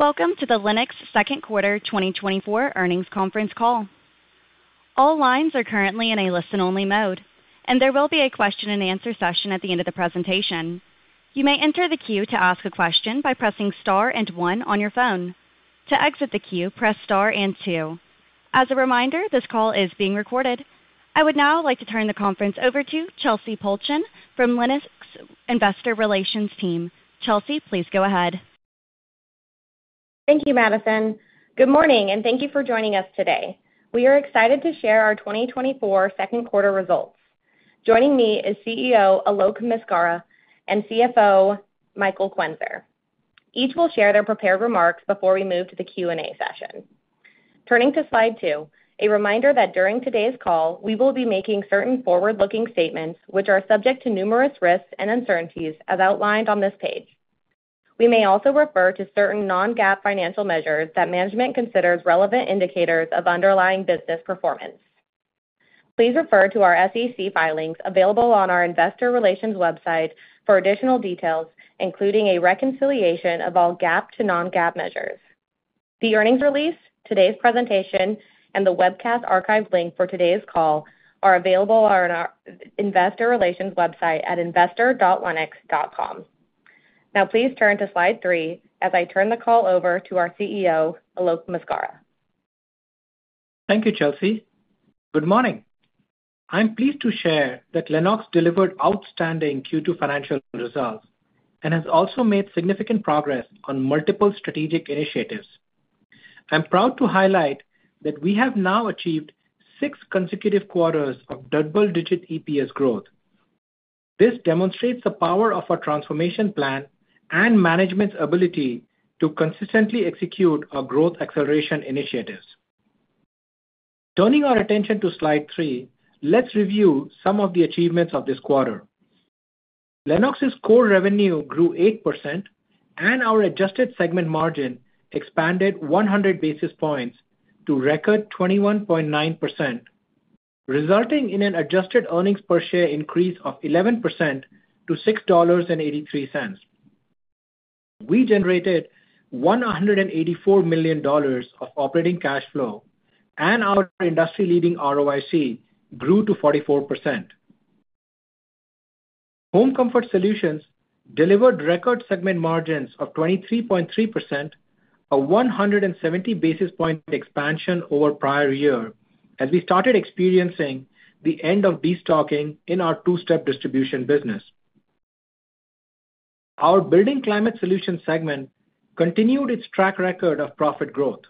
Welcome to the Lennox Second Quarter 2024 Earnings Conference Call. All lines are currently in a listen-only mode, and there will be a question-and-answer session at the end of the presentation. You may enter the queue to ask a question by pressing star and one on your phone. To exit the queue, press star and two. As a reminder, this call is being recorded. I would now like to turn the conference over to Chelsey Pulcheon from Lennox Investor Relations Team. Chelsey, please go ahead. Thank you, Madison. Good morning, and thank you for joining us today. We are excited to share our 2024 second quarter results. Joining me is CEO, Alok Maskara and CFO, Michael Quenzer. Each will share their prepared remarks before we move to the Q&A session. Turning to slide two, a reminder that during today's call, we will be making certain forward-looking statements which are subject to numerous risks and uncertainties as outlined on this page. We may also refer to certain non-GAAP financial measures that management considers relevant indicators of underlying business performance. Please refer to our SEC filings available on our Investor Relations website for additional details, including a reconciliation of all GAAP to non-GAAP measures. The earnings release, today's presentation, and the webcast archive link for today's call are available on our Investor Relations website at investor.lennox.com. Now, please turn to slide three as I turn the call over to our CEO, Alok Maskara. Thank you, Chelsey. Good morning. I'm pleased to share that Lennox delivered outstanding Q2 financial results and has also made significant progress on multiple strategic initiatives. I'm proud to highlight that we have now achieved six consecutive quarters of double-digit EPS growth. This demonstrates the power of our transformation plan and management's ability to consistently execute our growth acceleration initiatives. Turning our attention to slide three, let's review some of the achievements of this quarter. Lennox's core revenue grew 8%, and our adjusted segment margin expanded 100 basis points to record 21.9%, resulting in an adjusted earnings per share increase of 11% to $6.83. We generated $184 million of operating cash flow, and our industry-leading ROIC grew to 44%. Home Comfort Solutions delivered record segment margins of 23.3%, a 170 basis point expansion over prior year, as we started experiencing the end of destocking in our two-step distribution business. Our Building Climate Solutions segment continued its track record of profit growth.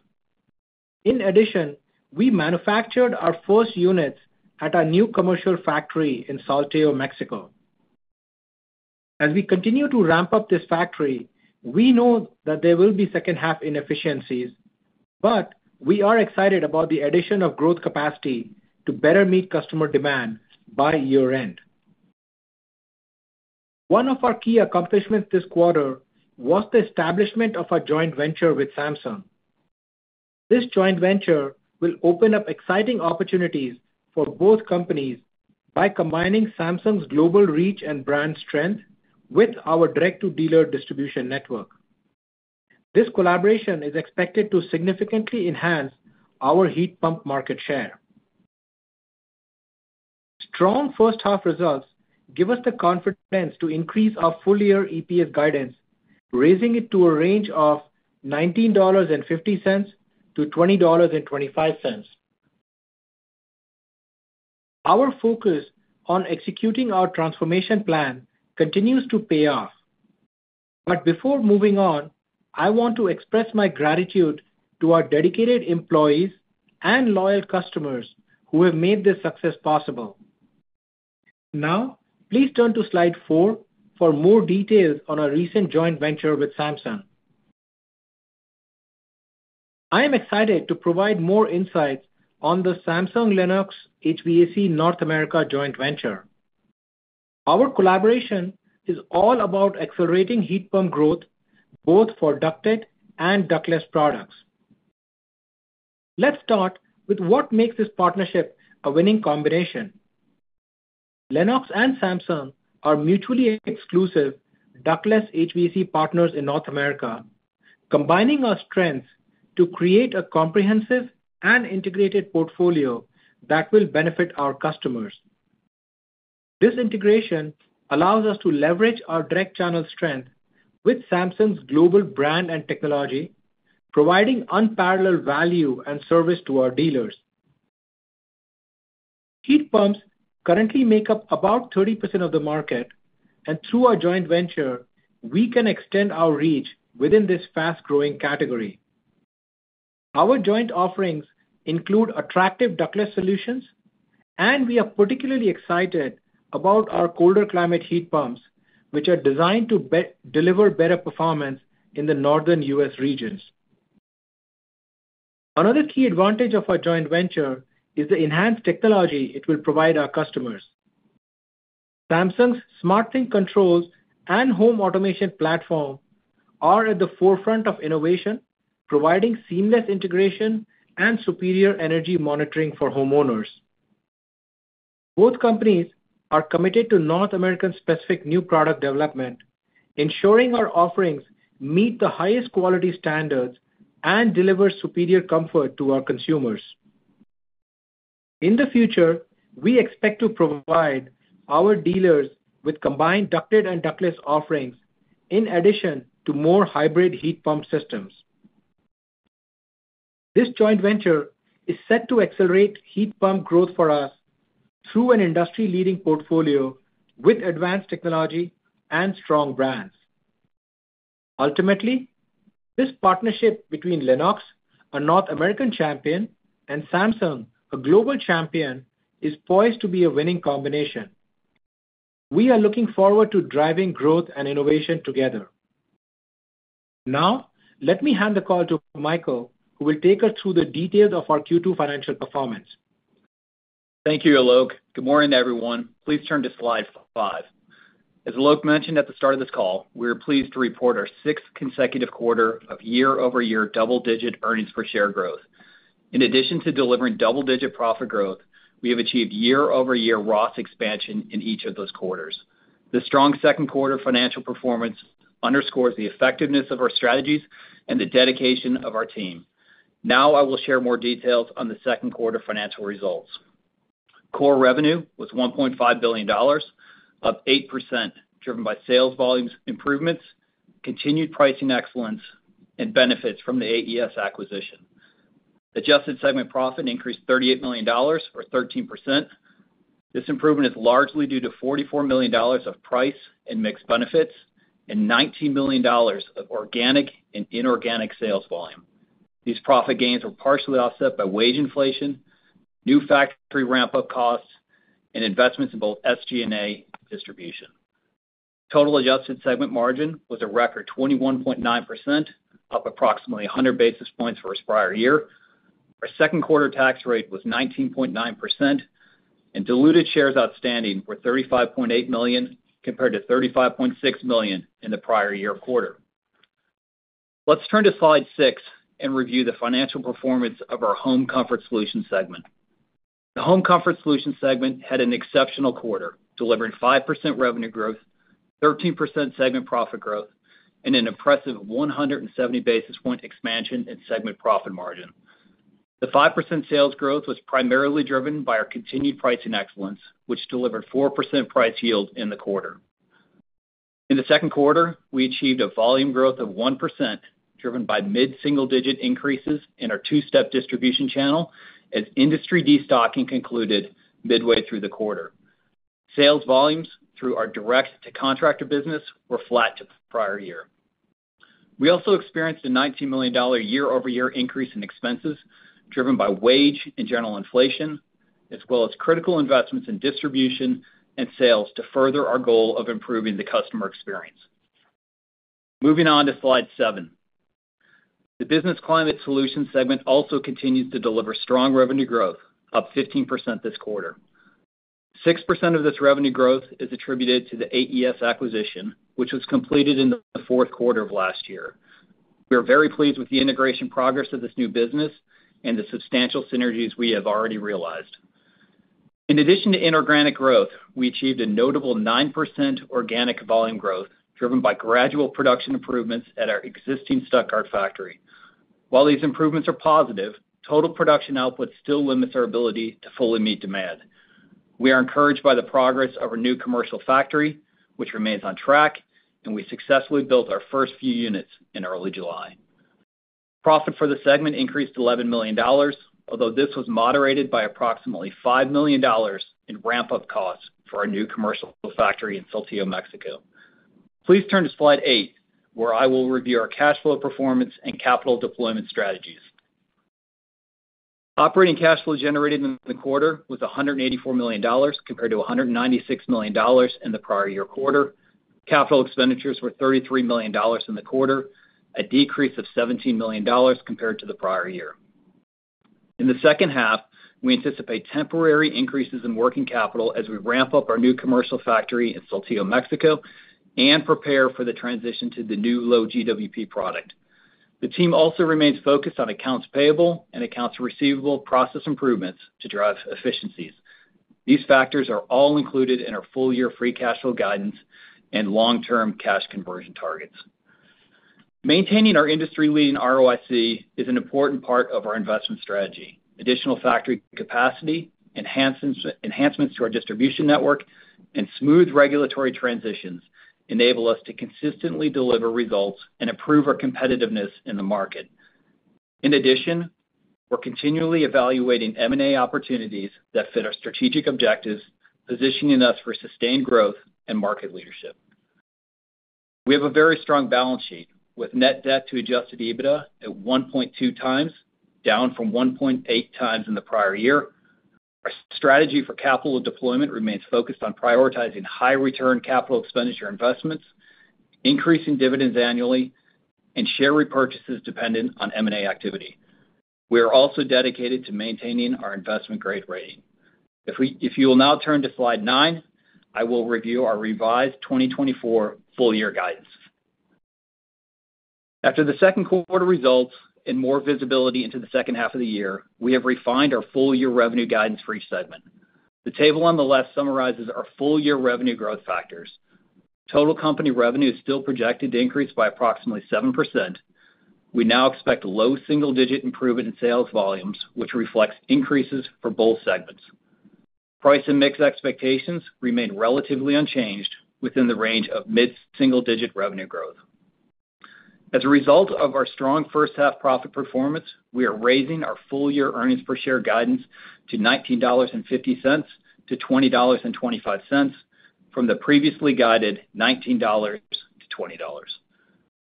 In addition, we manufactured our first units at our new commercial factory in Saltillo, Mexico. As we continue to ramp up this factory, we know that there will be second-half inefficiencies, but we are excited about the addition of growth capacity to better meet customer demand by year-end. One of our key accomplishments this quarter was the establishment of a joint venture with Samsung. This joint venture will open up exciting opportunities for both companies by combining Samsung's global reach and brand strength with our direct-to-dealer distribution network. This collaboration is expected to significantly enhance our heat pump market share. Strong first-half results give us the confidence to increase our full-year EPS guidance, raising it to a range of $19.50-$20.25. Our focus on executing our transformation plan continues to pay off. But before moving on, I want to express my gratitude to our dedicated employees and loyal customers who have made this success possible. Now, please turn to slide four for more details on our recent joint venture with Samsung. I am excited to provide more insights on the Samsung-Lennox HVAC North America joint venture. Our collaboration is all about accelerating heat pump growth, both for ducted and ductless products. Let's start with what makes this partnership a winning combination. Lennox and Samsung are mutually exclusive ductless HVAC partners in North America, combining our strengths to create a comprehensive and integrated portfolio that will benefit our customers. This integration allows us to leverage our direct channel strength with Samsung's global brand and technology, providing unparalleled value and service to our dealers. Heat pumps currently make up about 30% of the market, and through our joint venture, we can extend our reach within this fast-growing category. Our joint offerings include attractive ductless solutions, and we are particularly excited about our colder climate heat pumps, which are designed to deliver better performance in the northern U.S. regions. Another key advantage of our joint venture is the enhanced technology it will provide our customers. Samsung's SmartThings controls and home automation platform are at the forefront of innovation, providing seamless integration and superior energy monitoring for homeowners. Both companies are committed to North American-specific new product development, ensuring our offerings meet the highest quality standards and deliver superior comfort to our consumers. In the future, we expect to provide our dealers with combined ducted and ductless offerings in addition to more hybrid heat pump systems. This joint venture is set to accelerate heat pump growth for us through an industry-leading portfolio with advanced technology and strong brands. Ultimately, this partnership between Lennox, a North American champion, and Samsung, a global champion, is poised to be a winning combination. We are looking forward to driving growth and innovation together. Now, let me hand the call to Michael, who will take us through the details of our Q2 financial performance. Thank you, Alok. Good morning, everyone. Please turn to slide five. As Alok mentioned at the start of this call, we are pleased to report our sixth consecutive quarter of year-over-year double-digit earnings per share growth. In addition to delivering double-digit profit growth, we have achieved year-over-year ROS expansion in each of those quarters. The strong second quarter financial performance underscores the effectiveness of our strategies and the dedication of our team. Now, I will share more details on the second quarter financial results. Core revenue was $1.5 billion, up 8%, driven by sales volumes improvements, continued pricing excellence, and benefits from the AES acquisition. Adjusted segment profit increased $38 million, or 13%. This improvement is largely due to $44 million of price and mixed benefits and $19 million of organic and inorganic sales volume. These profit gains were partially offset by wage inflation, new factory ramp-up costs, and investments in both SG&A distribution. Total adjusted segment margin was a record 21.9%, up approximately 100 basis points versus prior year. Our second quarter tax rate was 19.9%, and diluted shares outstanding were $35.8 million compared to $35.6 million in the prior year quarter. Let's turn to slide six and review the financial performance of our Home Comfort Solutions segment. The Home Comfort Solutions segment had an exceptional quarter, delivering 5% revenue growth, 13% segment profit growth, and an impressive 170 basis point expansion in segment profit margin. The 5% sales growth was primarily driven by our continued pricing excellence, which delivered 4% price yield in the quarter. In the second quarter, we achieved a volume growth of 1%, driven by mid-single-digit increases in our two-step distribution channel as industry destocking concluded midway through the quarter. Sales volumes through our direct-to-contractor business were flat to prior year. We also experienced a $19 million year-over-year increase in expenses driven by wage and general inflation, as well as critical investments in distribution and sales to further our goal of improving the customer experience. Moving on to slide seven, the Building Climate Solutions segment also continues to deliver strong revenue growth, up 15% this quarter. 6% of this revenue growth is attributed to the AES acquisition, which was completed in the fourth quarter of last year. We are very pleased with the integration progress of this new business and the substantial synergies we have already realized. In addition to inorganic growth, we achieved a notable 9% organic volume growth driven by gradual production improvements at our existing Stuttgart factory. While these improvements are positive, total production output still limits our ability to fully meet demand. We are encouraged by the progress of our new commercial factory, which remains on track, and we successfully built our first few units in early July. Profit for the segment increased $11 million, although this was moderated by approximately $5 million in ramp-up costs for our new commercial factory in Saltillo, Mexico. Please turn to slide eight, where I will review our cash flow performance and capital deployment strategies. Operating cash flow generated in the quarter was $184 million compared to $196 million in the prior year quarter. Capital expenditures were $33 million in the quarter, a decrease of $17 million compared to the prior year. In the second half, we anticipate temporary increases in working capital as we ramp up our new commercial factory in Saltillo, Mexico, and prepare for the transition to the new low GWP product. The team also remains focused on accounts payable and accounts receivable process improvements to drive efficiencies. These factors are all included in our full-year free cash flow guidance and long-term cash conversion targets. Maintaining our industry-leading ROIC is an important part of our investment strategy. Additional factory capacity, enhancements to our distribution network, and smooth regulatory transitions enable us to consistently deliver results and improve our competitiveness in the market. In addition, we're continually evaluating M&A opportunities that fit our strategic objectives, positioning us for sustained growth and market leadership. We have a very strong balance sheet with net debt to adjusted EBITDA at 1.2x, down from 1.8x in the prior year. Our strategy for capital deployment remains focused on prioritizing high-return capital expenditure investments, increasing dividends annually, and share repurchases dependent on M&A activity. We are also dedicated to maintaining our investment grade rating. If you will now turn to slide nine, I will review our revised 2024 full-year guidance. After the second quarter results and more visibility into the second half of the year, we have refined our full-year revenue guidance for each segment. The table on the left summarizes our full-year revenue growth factors. Total company revenue is still projected to increase by approximately 7%. We now expect low single-digit improvement in sales volumes, which reflects increases for both segments. Price and mix expectations remain relatively unchanged within the range of mid-single-digit revenue growth. As a result of our strong first-half profit performance, we are raising our full-year earnings per share guidance to $19.50-$20.25 from the previously guided $19-$20.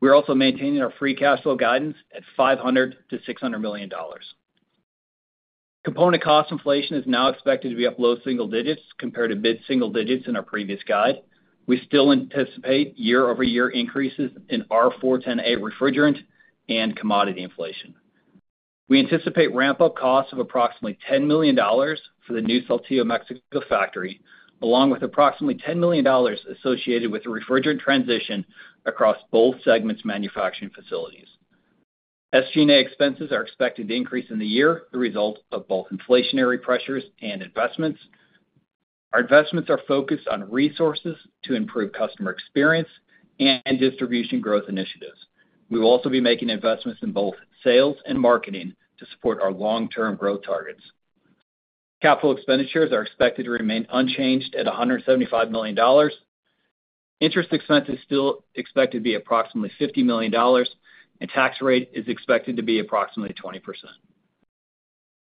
We're also maintaining our free cash flow guidance at $500-$600 million. Component cost inflation is now expected to be up low single digits compared to mid-single digits in our previous guide. We still anticipate year-over-year increases in R-410A refrigerant and commodity inflation. We anticipate ramp-up costs of approximately $10 million for the new Saltillo, Mexico factory, along with approximately $10 million associated with the refrigerant transition across both segments' manufacturing facilities. SG&A expenses are expected to increase in the year as a result of both inflationary pressures and investments. Our investments are focused on resources to improve customer experience and distribution growth initiatives. We will also be making investments in both sales and marketing to support our long-term growth targets. Capital expenditures are expected to remain unchanged at $175 million. Interest expenses still expected to be approximately $50 million, and tax rate is expected to be approximately 20%.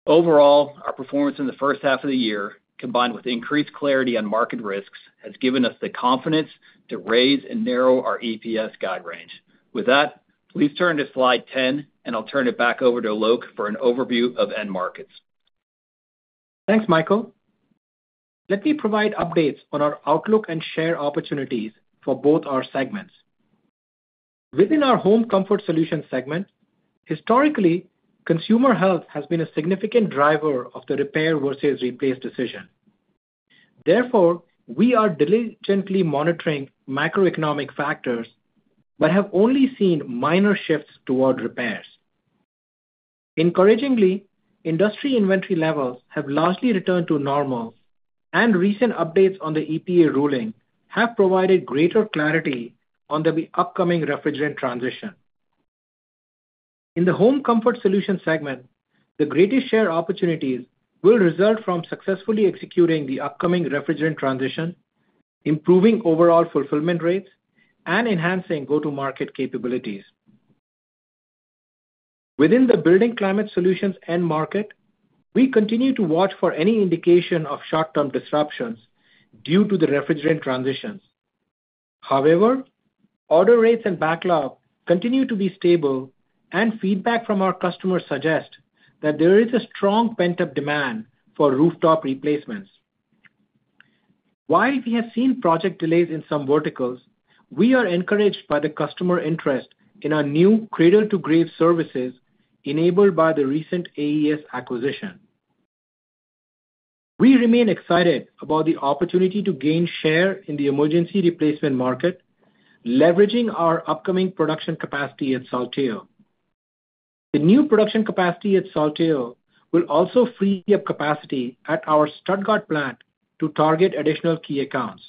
Overall, our performance in the first half of the year, combined with increased clarity on market risks, has given us the confidence to raise and narrow our EPS guide range. With that, please turn to slide 10, and I'll turn it back over to Alok for an overview of end markets. Thanks, Michael. Let me provide updates on our outlook and share opportunities for both our segments. Within our Home Comfort Solutions segment, historically, consumer health has been a significant driver of the repair versus replace decision. Therefore, we are diligently monitoring macroeconomic factors but have only seen minor shifts toward repairs. Encouragingly, industry inventory levels have largely returned to normal, and recent updates on the EPA ruling have provided greater clarity on the upcoming refrigerant transition. In the Home Comfort Solutions segment, the greatest share opportunities will result from successfully executing the upcoming refrigerant transition, improving overall fulfillment rates, and enhancing go-to-market capabilities. Within the Building Climate Solutions end market, we continue to watch for any indication of short-term disruptions due to the refrigerant transitions. However, order rates and backlog continue to be stable, and feedback from our customers suggests that there is a strong pent-up demand for rooftop replacements. While we have seen project delays in some verticals, we are encouraged by the customer interest in our new cradle-to-grave services enabled by the recent AES acquisition. We remain excited about the opportunity to gain share in the emergency replacement market, leveraging our upcoming production capacity at Saltillo. The new production capacity at Saltillo will also free up capacity at our Stuttgart plant to target additional key accounts.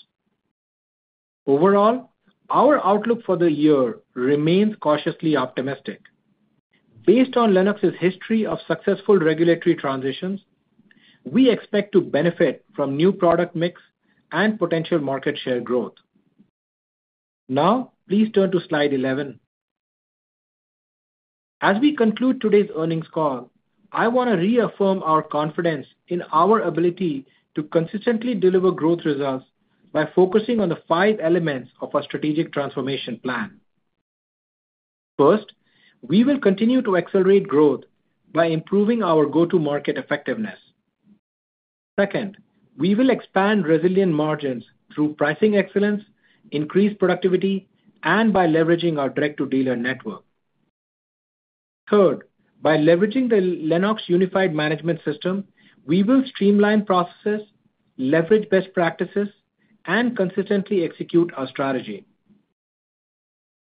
Overall, our outlook for the year remains cautiously optimistic. Based on Lennox's history of successful regulatory transitions, we expect to benefit from new product mix and potential market share growth. Now, please turn to slide 11. As we conclude today's earnings call, I want to reaffirm our confidence in our ability to consistently deliver growth results by focusing on the five elements of our strategic transformation plan. First, we will continue to accelerate growth by improving our go-to-market effectiveness. Second, we will expand resilient margins through pricing excellence, increased productivity, and by leveraging our direct-to-dealer network. Third, by leveraging the Lennox Unified Management System, we will streamline processes, leverage best practices, and consistently execute our strategy.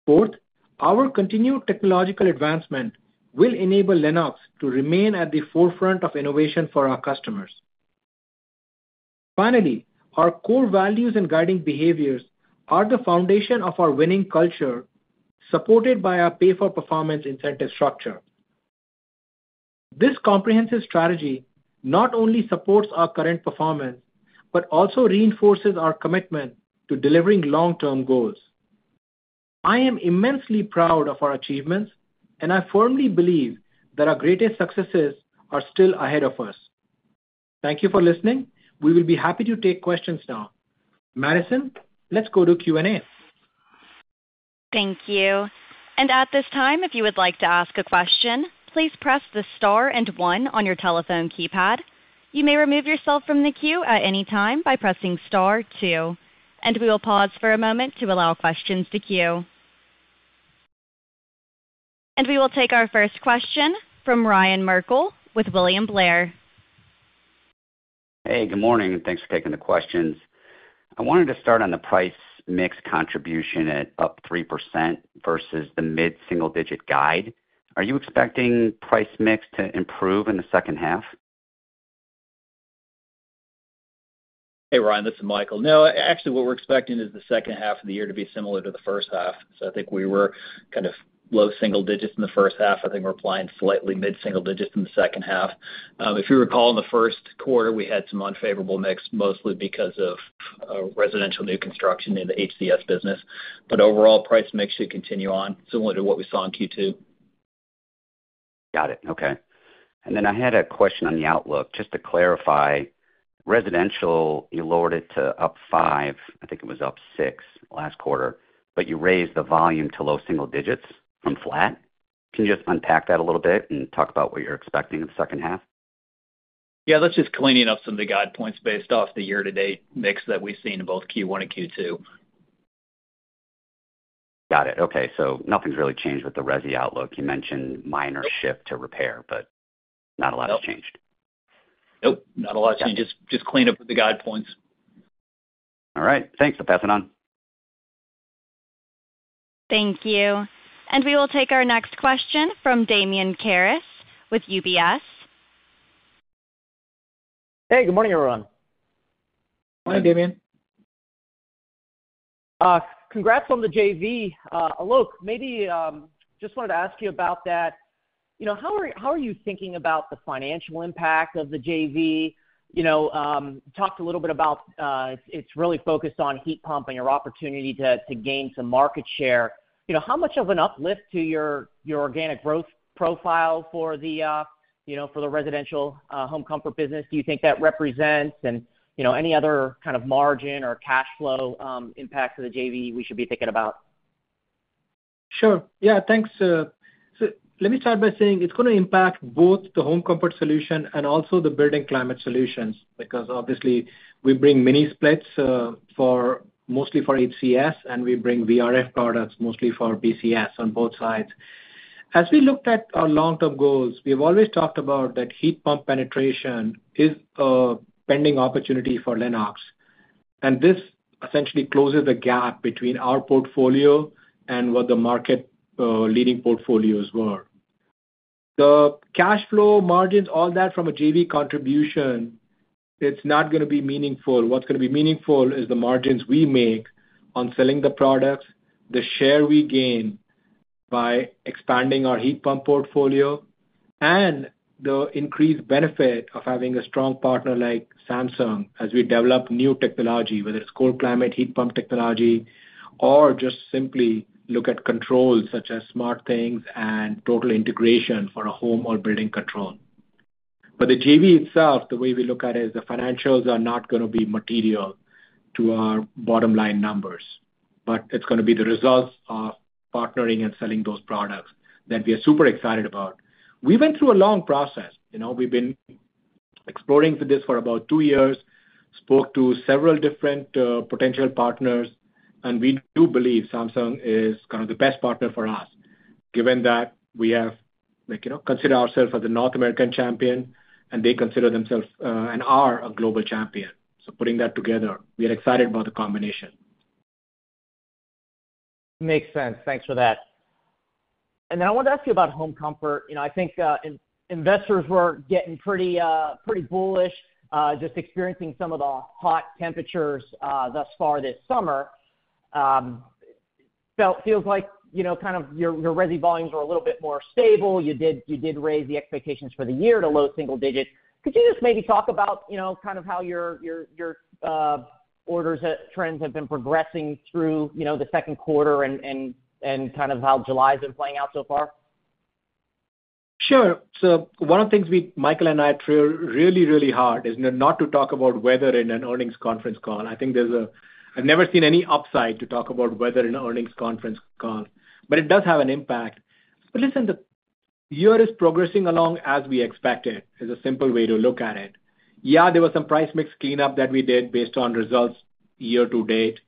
Fourth, our continued technological advancement will enable Lennox to remain at the forefront of innovation for our customers. Finally, our core values and guiding behaviors are the foundation of our winning culture, supported by our pay-for-performance incentive structure. This comprehensive strategy not only supports our current performance but also reinforces our commitment to delivering long-term goals. I am immensely proud of our achievements, and I firmly believe that our greatest successes are still ahead of us. Thank you for listening. We will be happy to take questions now. Madison, let's go to Q&A. Thank you. At this time, if you would like to ask a question, please press the star and one on your telephone keypad. You may remove yourself from the queue at any time by pressing star two. We will pause for a moment to allow questions to queue. We will take our first question from Ryan Merkel with William Blair. Hey, good morning. Thanks for taking the questions. I wanted to start on the price mix contribution at up 3% versus the mid-single-digit guide. Are you expecting price mix to improve in the second half? Hey, Ryan. This is Michael. No, actually, what we're expecting is the second half of the year to be similar to the first half. So I think we were kind of low single digits in the first half. I think we're applying slightly mid-single digits in the second half. If you recall, in the first quarter, we had some unfavorable mix, mostly because of residential new construction in the HCS business. But overall, price mix should continue on, similar to what we saw in Q2. Got it. Okay. And then I had a question on the outlook. Just to clarify, residential, you lowered it to up five. I think it was up six last quarter, but you raised the volume to low single digits from flat. Can you just unpack that a little bit and talk about what you're expecting in the second half? Yeah, that's just cleaning up some of the guide points based off the year-to-date mix that we've seen in both Q1 and Q2. Got it. Okay. So nothing's really changed with the Resi outlook. You mentioned minor shift to repair, but not a lot has changed. Nope. Not a lot has changed. Just clean up with the guide points. All right. Thanks. I'll pass it on. Thank you. And we will take our next question from Damian Karas with UBS. Hey, good morning, everyone. Morning, Damian. Congrats on the JV. Alok, maybe just wanted to ask you about that. How are you thinking about the financial impact of the JV? You talked a little bit about it's really focused on heat pump and your opportunity to gain some market share. How much of an uplift to your organic growth profile for the residential Home Comfort business do you think that represents? And any other kind of margin or cash flow impacts of the JV we should be thinking about? Sure. Yeah. Thanks. So let me start by saying it's going to impact both the Home Comfort Solutions and also the Building Climate Solutions because, obviously, we bring mini splits mostly for HCS, and we bring VRF products mostly for BCS on both sides. As we looked at our long-term goals, we have always talked about that heat pump penetration is a pending opportunity for Lennox. And this essentially closes the gap between our portfolio and what the market leading portfolios were. The cash flow margins, all that from a JV contribution, it's not going to be meaningful. What's going to be meaningful is the margins we make on selling the products, the share we gain by expanding our heat pump portfolio, and the increased benefit of having a strong partner like Samsung as we develop new technology, whether it's cold climate heat pump technology, or just simply look at controls such as SmartThings and total integration for a home or building control. But the JV itself, the way we look at it is the financials are not going to be material to our bottom-line numbers, but it's going to be the results of partnering and selling those products that we are super excited about. We went through a long process. We've been exploring this for about two years, spoke to several different potential partners, and we do believe Samsung is kind of the best partner for us, given that we have considered ourselves as a North American champion, and they consider themselves and are a global champion. Putting that together, we are excited about the combination. Makes sense. Thanks for that. I wanted to ask you about Home Comfort. I think investors were getting pretty bullish, just experiencing some of the hot temperatures thus far this summer. It feels like kind of your RESI volumes were a little bit more stable. You did raise the expectations for the year to low single digits. Could you just maybe talk about kind of how your orders trends have been progressing through the second quarter and kind of how July has been playing out so far? Sure. So one of the things Michael and I try really, really hard is not to talk about weather in an earnings conference call. I think there's. I've never seen any upside to talk about weather in an earnings conference call, but it does have an impact. But listen, the year is progressing along as we expected, is a simple way to look at it. Yeah, there was some price mix cleanup that we did based on results year-to-date,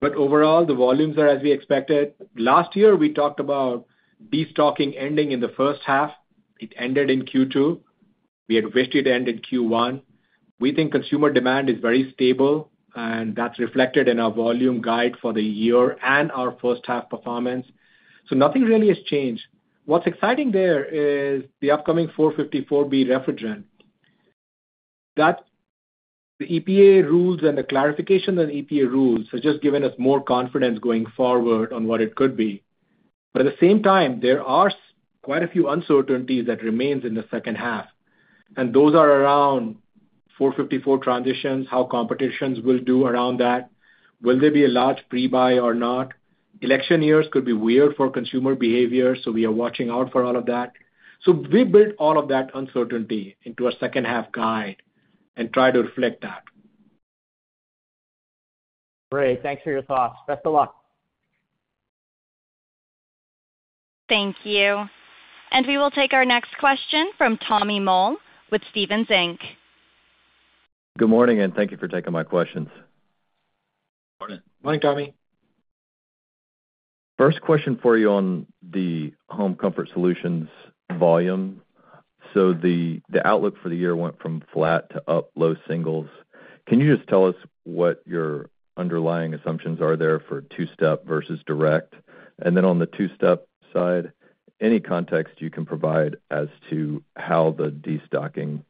but overall, the volumes are as we expected. Last year, we talked about destocking ending in the first half. It ended in Q2. We had wished it ended in Q1. We think consumer demand is very stable, and that's reflected in our volume guide for the year and our first-half performance. So nothing really has changed. What's exciting there is the upcoming 454B refrigerant. The EPA rules and the clarification of the EPA rules have just given us more confidence going forward on what it could be. But at the same time, there are quite a few uncertainties that remain in the second half, and those are around 454 transitions, how competitions will do around that, will there be a large pre-buy or not. Election years could be weird for consumer behavior, so we are watching out for all of that. So we built all of that uncertainty into a second-half guide and tried to reflect that. Great. Thanks for your thoughts. Best of luck. Thank you. We will take our next question from Tommy Moll with Stephens Inc. Good morning, and thank you for taking my questions. Morning. Morning, Tommy. First question for you on the Home Comfort Solutions volume. So the outlook for the year went from flat to up low singles. Can you just tell us what your underlying assumptions are there for two-step versus direct? And then on the two-step side, any context you can provide as to how the destocking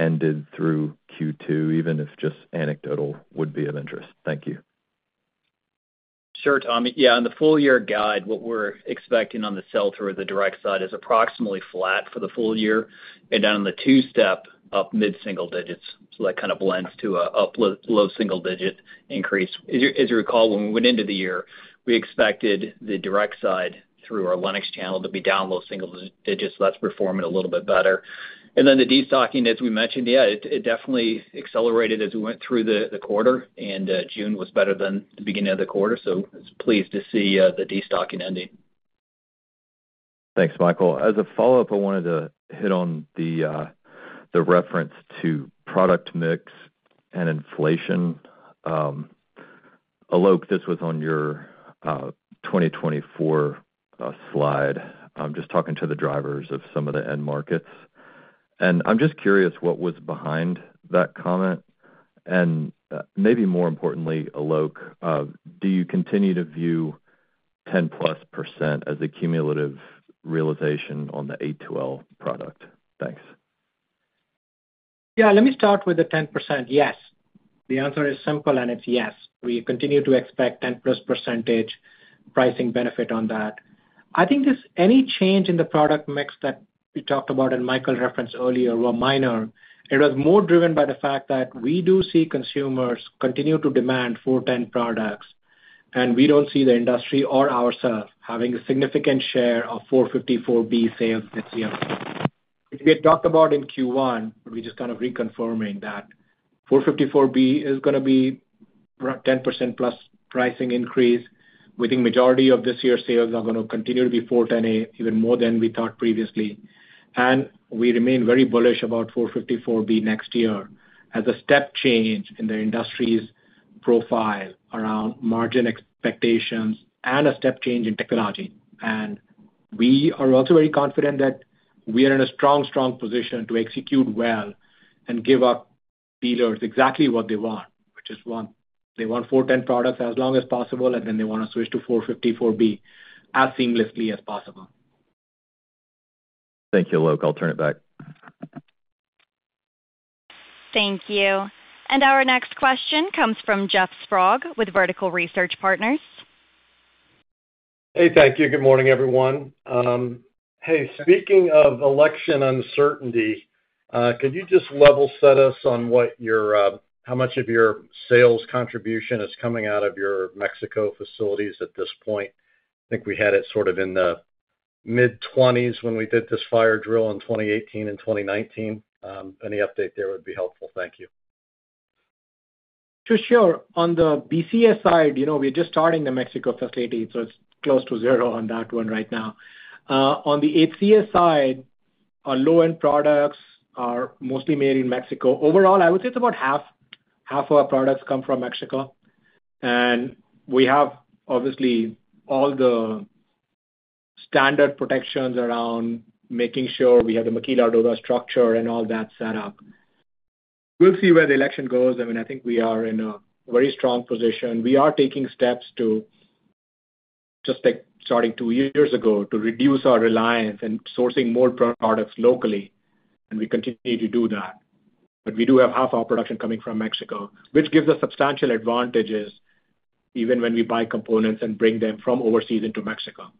ended through Q2, even if just anecdotal, would be of interest. Thank you. Sure, Tommy. Yeah. On the full-year guide, what we're expecting on the sell-through or the direct side is approximately flat for the full-year, and then on the two-step, up mid-single digits. So that kind of blends to a low single-digit increase. As you recall, when we went into the year, we expected the direct side through our Lennox channel to be down low single digits, so that's performing a little bit better. And then the destocking, as we mentioned, yeah, it definitely accelerated as we went through the quarter, and June was better than the beginning of the quarter. So pleased to see the destocking ending. Thanks, Michael. As a follow-up, I wanted to hit on the reference to product mix and inflation. Alok, this was on your 2024 slide. I'm just talking to the drivers of some of the end markets. I'm just curious what was behind that comment. Maybe more importantly, Alok, do you continue to view 10%+ as a cumulative realization on the A2L product? Thanks. Yeah. Let me start with the 10%. Yes. The answer is simple, and it's yes. We continue to expect 10%+ pricing benefit on that. I think any change in the product mix that we talked about and Michael referenced earlier were minor. It was more driven by the fact that we do see consumers continue to demand 410 products, and we don't see the industry or ourselves having a significant share of 454B sales this year. We had talked about in Q1, but we're just kind of reconfirming that 454B is going to be 10%+ pricing increase. We think the majority of this year's sales are going to continue to be 410A, even more than we thought previously. And we remain very bullish about 454B next year as a step change in the industry's profile around margin expectations and a step change in technology. We are also very confident that we are in a strong, strong position to execute well and give our dealers exactly what they want, which is one, they want R-410A products as long as possible, and then they want to switch to R-454B as seamlessly as possible. Thank you, Alok. I'll turn it back. Thank you. Our next question comes from Jeff Sprague with Vertical Research Partners. Hey, thank you. Good morning, everyone. Hey, speaking of election uncertainty, could you just level set us on how much of your sales contribution is coming out of your Mexico facilities at this point? I think we had it sort of in the mid-20s when we did this fire drill in 2018 and 2019. Any update there would be helpful. Thank you. For sure. On the BCS side, we're just starting the Mexico facility, so it's close to zero on that one right now. On the HCS side, our low-end products are mostly made in Mexico. Overall, I would say it's about half of our products come from Mexico. And we have, obviously, all the standard protections around making sure we have the maquiladora structure and all that set up. We'll see where the election goes. I mean, I think we are in a very strong position. We are taking steps to, just like starting two years ago, to reduce our reliance and sourcing more products locally. And we continue to do that. But we do have half our production coming from Mexico, which gives us substantial advantages even when we buy components and bring them from overseas into Mexico.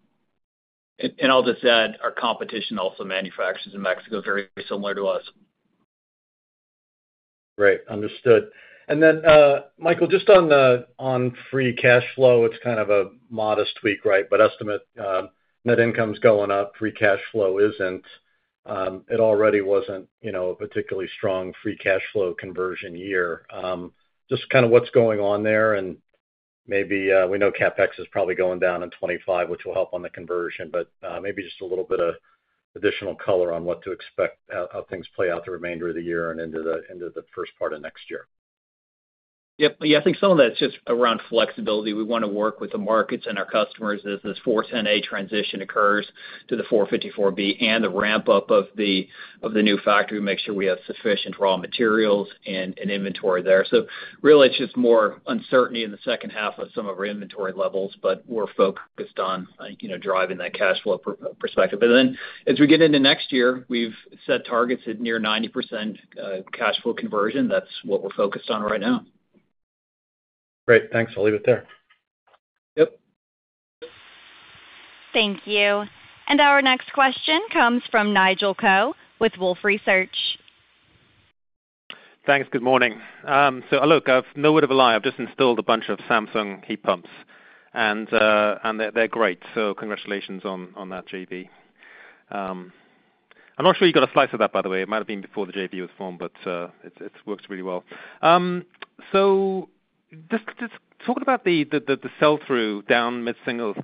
Alok said our competition also manufactures in Mexico, very similar to us. Great. Understood. And then, Michael, just on free cash flow, it's kind of a modest tweak, right? But estimate net income's going up, free cash flow isn't. It already wasn't a particularly strong free cash flow conversion year. Just kind of what's going on there. And maybe we know CapEx is probably going down in 2025, which will help on the conversion, but maybe just a little bit of additional color on what to expect, how things play out the remainder of the year and into the first part of next year. Yep. Yeah. I think some of that's just around flexibility. We want to work with the markets and our customers as this R-410A transition occurs to the R-454B and the ramp-up of the new factory to make sure we have sufficient raw materials and inventory there. So really, it's just more uncertainty in the second half of some of our inventory levels, but we're focused on driving that cash flow perspective. And then as we get into next year, we've set targets at near 90% cash flow conversion. That's what we're focused on right now. Great. Thanks. I'll leave it there. Yep. Thank you. And our next question comes from Nigel Coe with Wolfe Research. Thanks. Good morning. So Alok, I've nowhere to lie, I've just installed a bunch of Samsung heat pumps, and they're great. So congratulations on that JV. I'm not sure you got a slice of that, by the way. It might have been before the JV was formed, but it's worked really well. So just talking about the sell-through down mid-singles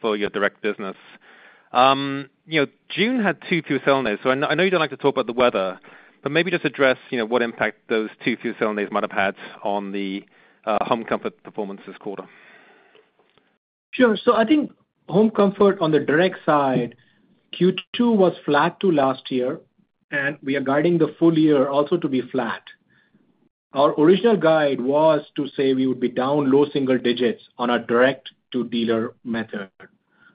for your direct business, June had two few sell days. So I know you don't like to talk about the weather, but maybe just address what impact those two few sell days might have had on the Home Comfort performance this quarter. Sure. So I think Home Comfort on the direct side, Q2 was flat to last year, and we are guiding the full-year also to be flat. Our original guide was to say we would be down low single digits on our direct-to-dealer method.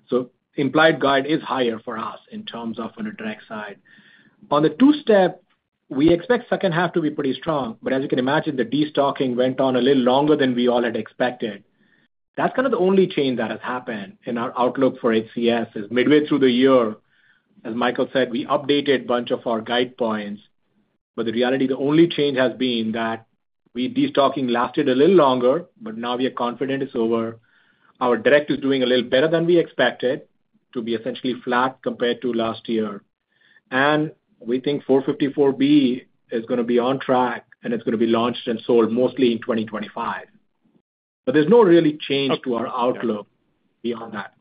So implied guide is higher for us in terms of on the direct side. On the two-step, we expect second half to be pretty strong. But as you can imagine, the destocking went on a little longer than we all had expected. That's kind of the only change that has happened in our outlook for HCS is midway through the year. As Michael said, we updated a bunch of our guide points. But the reality, the only change has been that the destocking lasted a little longer, but now we are confident it's over. Our direct is doing a little better than we expected to be essentially flat compared to last year. We think R-454B is going to be on track, and it's going to be launched and sold mostly in 2025. There's no real change to our outlook beyond that.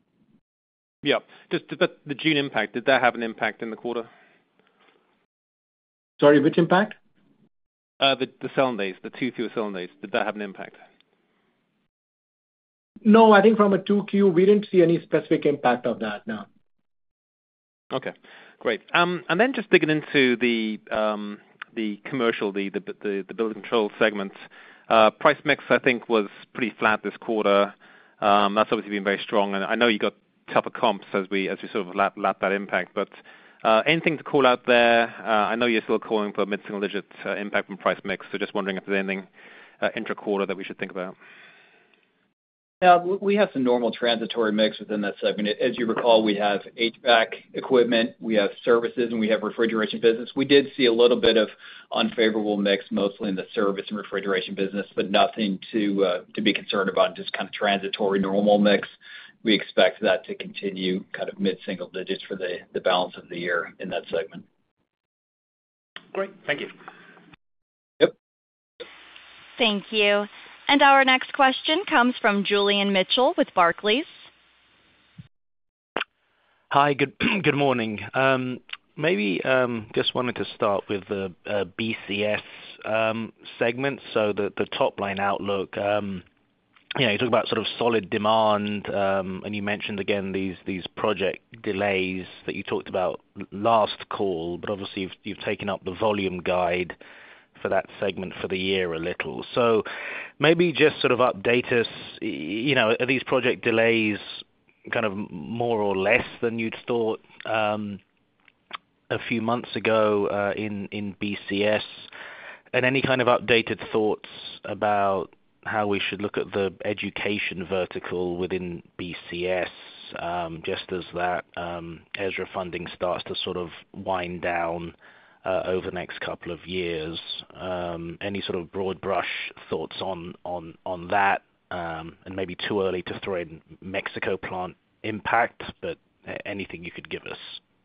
Yeah. But the June impact, did that have an impact in the quarter? Sorry, which impact? The selling days, the two-through selling days. Did that have an impact? No. I think from a 2Q, we didn't see any specific impact of that, no. Okay. Great. And then, just digging into the commercial, the building control segments, price mix, I think, was pretty flat this quarter. That's obviously been very strong. And I know you got tougher comps as we sort of lap that impact. But anything to call out there? I know you're still calling for mid-single digit impact from price mix. So just wondering if there's anything intra-quarter that we should think about. Yeah. We have some normal transitory mix within that segment. As you recall, we have HVAC equipment, we have services, and we have refrigeration business. We did see a little bit of unfavorable mix mostly in the service and refrigeration business, but nothing to be concerned about, just kind of transitory normal mix. We expect that to continue kind of mid-single digits for the balance of the year in that segment. Great. Thank you. Yep. Thank you. Our next question comes from Julian Mitchell with Barclays. Hi. Good morning. Maybe just wanted to start with the BCS segment. So the top-line outlook, yeah, you talk about sort of solid demand, and you mentioned again these project delays that you talked about last call, but obviously, you've taken up the volume guide for that segment for the year a little. So maybe just sort of update us, are these project delays kind of more or less than you'd thought a few months ago in BCS? And any kind of updated thoughts about how we should look at the education vertical within BCS just as that ESSER funding starts to sort of wind down over the next couple of years? Any sort of broad brush thoughts on that? And maybe too early to throw in Mexico plant impact, but anything you could give us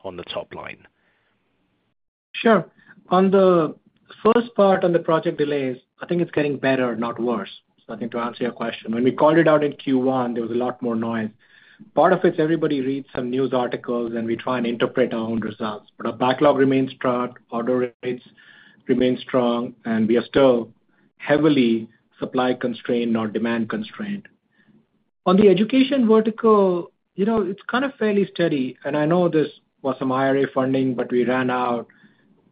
on the top line? Sure. On the first part on the project delays, I think it's getting better, not worse. So I think to answer your question, when we called it out in Q1, there was a lot more noise. Part of it's everybody reads some news articles, and we try and interpret our own results. But our backlog remains strong, order rates remain strong, and we are still heavily supply-constrained or demand-constrained. On the education vertical, it's kind of fairly steady. And I know this was some IRA funding, but we ran out.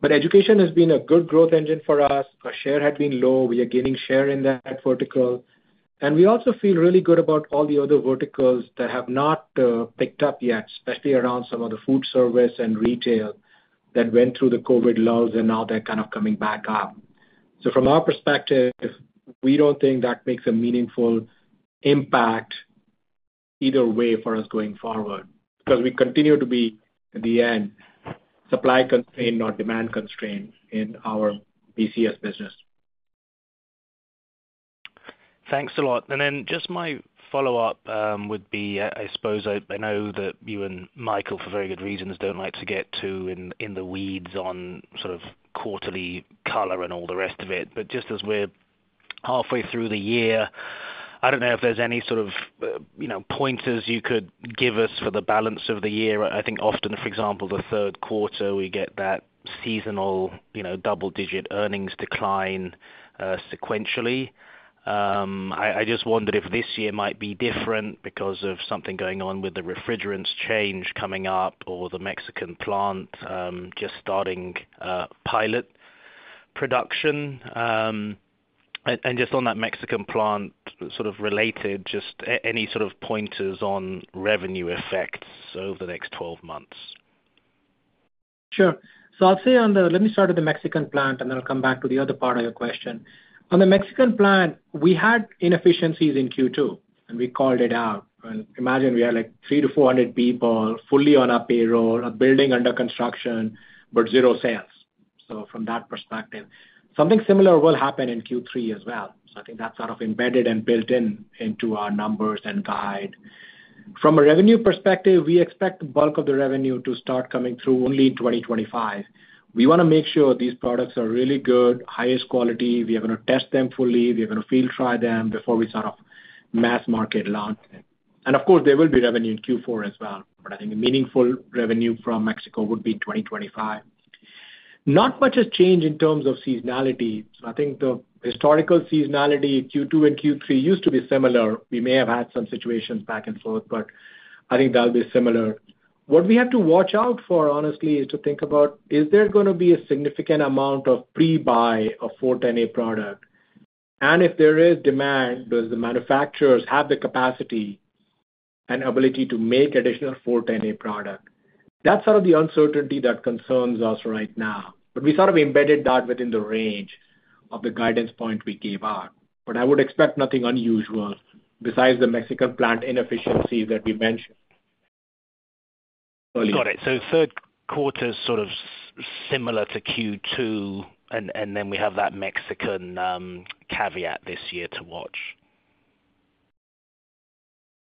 But education has been a good growth engine for us. Our share had been low. We are gaining share in that vertical. We also feel really good about all the other verticals that have not picked up yet, especially around some of the food service and retail that went through the COVID lulls, and now they're kind of coming back up. From our perspective, we don't think that makes a meaningful impact either way for us going forward because we continue to be, in the end, supply-constrained or demand-constrained in our BCS business. Thanks a lot. And then just my follow-up would be, I suppose I know that you and Michael, for very good reasons, don't like to get too in the weeds on sort of quarterly color and all the rest of it. But just as we're halfway through the year, I don't know if there's any sort of pointers you could give us for the balance of the year. I think often, for example, the third quarter, we get that seasonal double-digit earnings decline sequentially. I just wondered if this year might be different because of something going on with the refrigerants change coming up or the Mexican plant just starting pilot production. And just on that Mexican plant sort of related, just any sort of pointers on revenue effects over the next 12 months? Sure. So I'll say on the let me start with the Mexican plant, and then I'll come back to the other part of your question. On the Mexican plant, we had inefficiencies in Q2, and we called it out. Imagine we had like 300-400 people fully on our payroll, a building under construction, but zero sales. So from that perspective, something similar will happen in Q3 as well. So I think that's sort of embedded and built into our numbers and guide. From a revenue perspective, we expect the bulk of the revenue to start coming through only in 2025. We want to make sure these products are really good, highest quality. We are going to test them fully. We are going to field try them before we sort of mass market launch them. And of course, there will be revenue in Q4 as well. But I think the meaningful revenue from Mexico would be in 2025. Not much has changed in terms of seasonality. So I think the historical seasonality in Q2 and Q3 used to be similar. We may have had some situations back and forth, but I think that'll be similar. What we have to watch out for, honestly, is to think about, is there going to be a significant amount of pre-buy of 410A product? And if there is demand, do the manufacturers have the capacity and ability to make additional 410A product? That's sort of the uncertainty that concerns us right now. But we sort of embedded that within the range of the guidance point we gave out. But I would expect nothing unusual besides the Mexican plant inefficiency that we mentioned earlier. Got it. Third quarter sort of similar to Q2, and then we have that Mexican caveat this year to watch.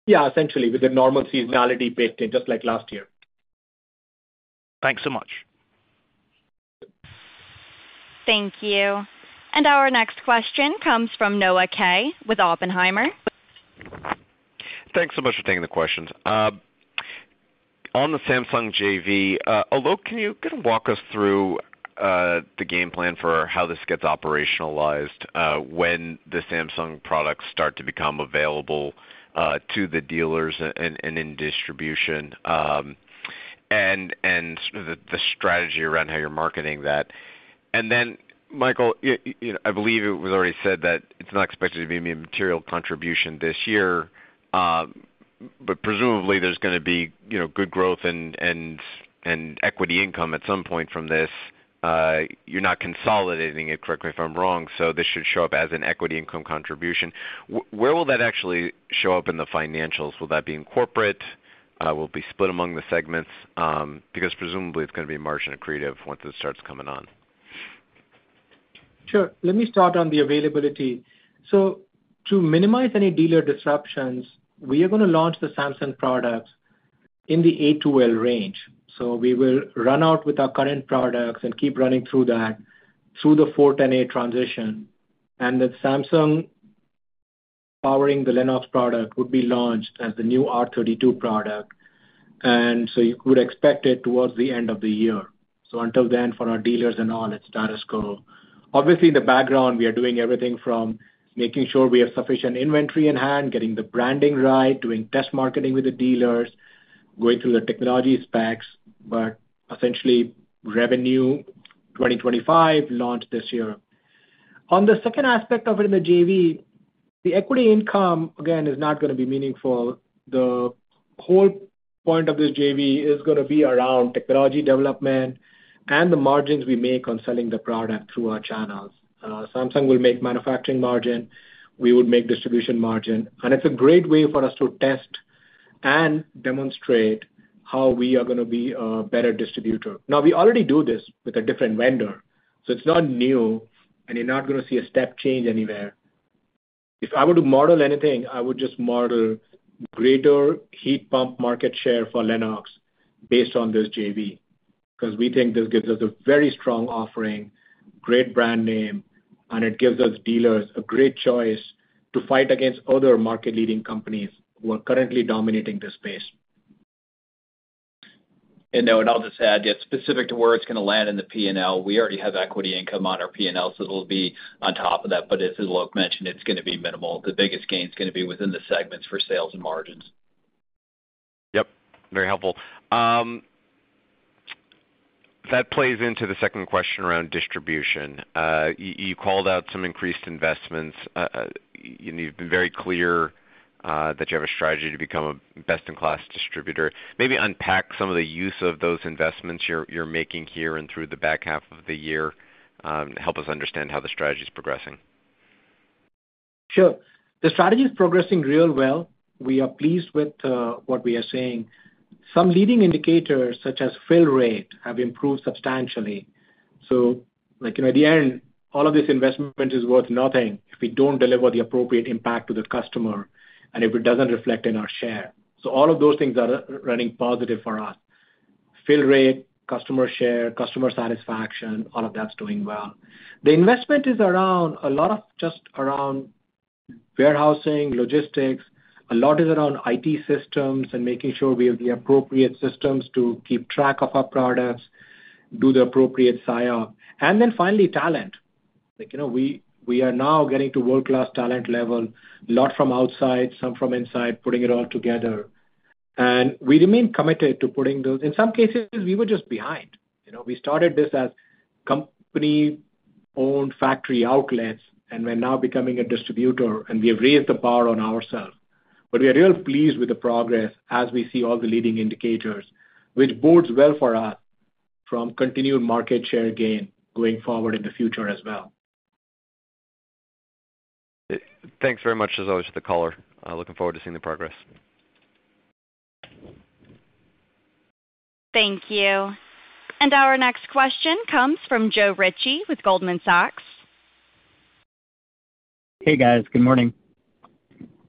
Yeah. Essentially, with the normal seasonality picked in just like last year. Thanks so much. Thank you. Our next question comes from Noah Kaye with Oppenheimer. Thanks so much for taking the questions. On the Samsung JV, Alok, can you kind of walk us through the game plan for how this gets operationalized when the Samsung products start to become available to the dealers and in distribution and the strategy around how you're marketing that? And then, Michael, I believe it was already said that it's not expected to be a material contribution this year, but presumably there's going to be good growth and equity income at some point from this. You're not consolidating it, correct me if I'm wrong, so this should show up as an equity income contribution. Where will that actually show up in the financials? Will that be in corporate? Will it be split among the segments? Because presumably, it's going to be margin accretive once it starts coming on. Sure. Let me start on the availability. So to minimize any dealer disruptions, we are going to launch the Samsung products in the A2L range. So we will run out with our current products and keep running through that through the R-410A transition. And the Samsung powering the Lennox product would be launched as the new R-32 product. And so you would expect it towards the end of the year. So until then, for our dealers and all, it's status quo. Obviously, in the background, we are doing everything from making sure we have sufficient inventory in hand, getting the branding right, doing test marketing with the dealers, going through the technology specs, but essentially, revenue 2025 launched this year. On the second aspect of it in the JV, the equity income, again, is not going to be meaningful. The whole point of this JV is going to be around technology development and the margins we make on selling the product through our channels. Samsung will make manufacturing margin. We would make distribution margin. And it's a great way for us to test and demonstrate how we are going to be a better distributor. Now, we already do this with a different vendor. So it's not new, and you're not going to see a step change anywhere. If I were to model anything, I would just model greater heat pump market share for Lennox based on this JV because we think this gives us a very strong offering, great brand name, and it gives us dealers a great choice to fight against other market-leading companies who are currently dominating this space. I'll just add, yeah, specific to where it's going to land in the P&L, we already have equity income on our P&L, so it'll be on top of that. But as Alok mentioned, it's going to be minimal. The biggest gain is going to be within the segments for sales and margins. Yep. Very helpful. That plays into the second question around distribution. You called out some increased investments. You've been very clear that you have a strategy to become a best-in-class distributor. Maybe unpack some of the use of those investments you're making here and through the back half of the year. Help us understand how the strategy is progressing. Sure. The strategy is progressing real well. We are pleased with what we are seeing. Some leading indicators such as fill rate have improved substantially. So at the end, all of this investment is worth nothing if we don't deliver the appropriate impact to the customer and if it doesn't reflect in our share. So all of those things are running positive for us. Fill rate, customer share, customer satisfaction, all of that's doing well. The investment is around a lot of just around warehousing, logistics. A lot is around IT systems and making sure we have the appropriate systems to keep track of our products, do the appropriate sign-up. And then finally, talent. We are now getting to world-class talent level, a lot from outside, some from inside, putting it all together. And we remain committed to putting those. In some cases, we were just behind. We started this as company-owned factory outlets, and we're now becoming a distributor, and we have raised the bar on ourselves. But we are real pleased with the progress as we see all the leading indicators, which bodes well for us from continued market share gain going forward in the future as well. Thanks very much, as always, for the caller. Looking forward to seeing the progress. Thank you. And our next question comes from Joe Ritchie with Goldman Sachs. Hey, guys. Good morning.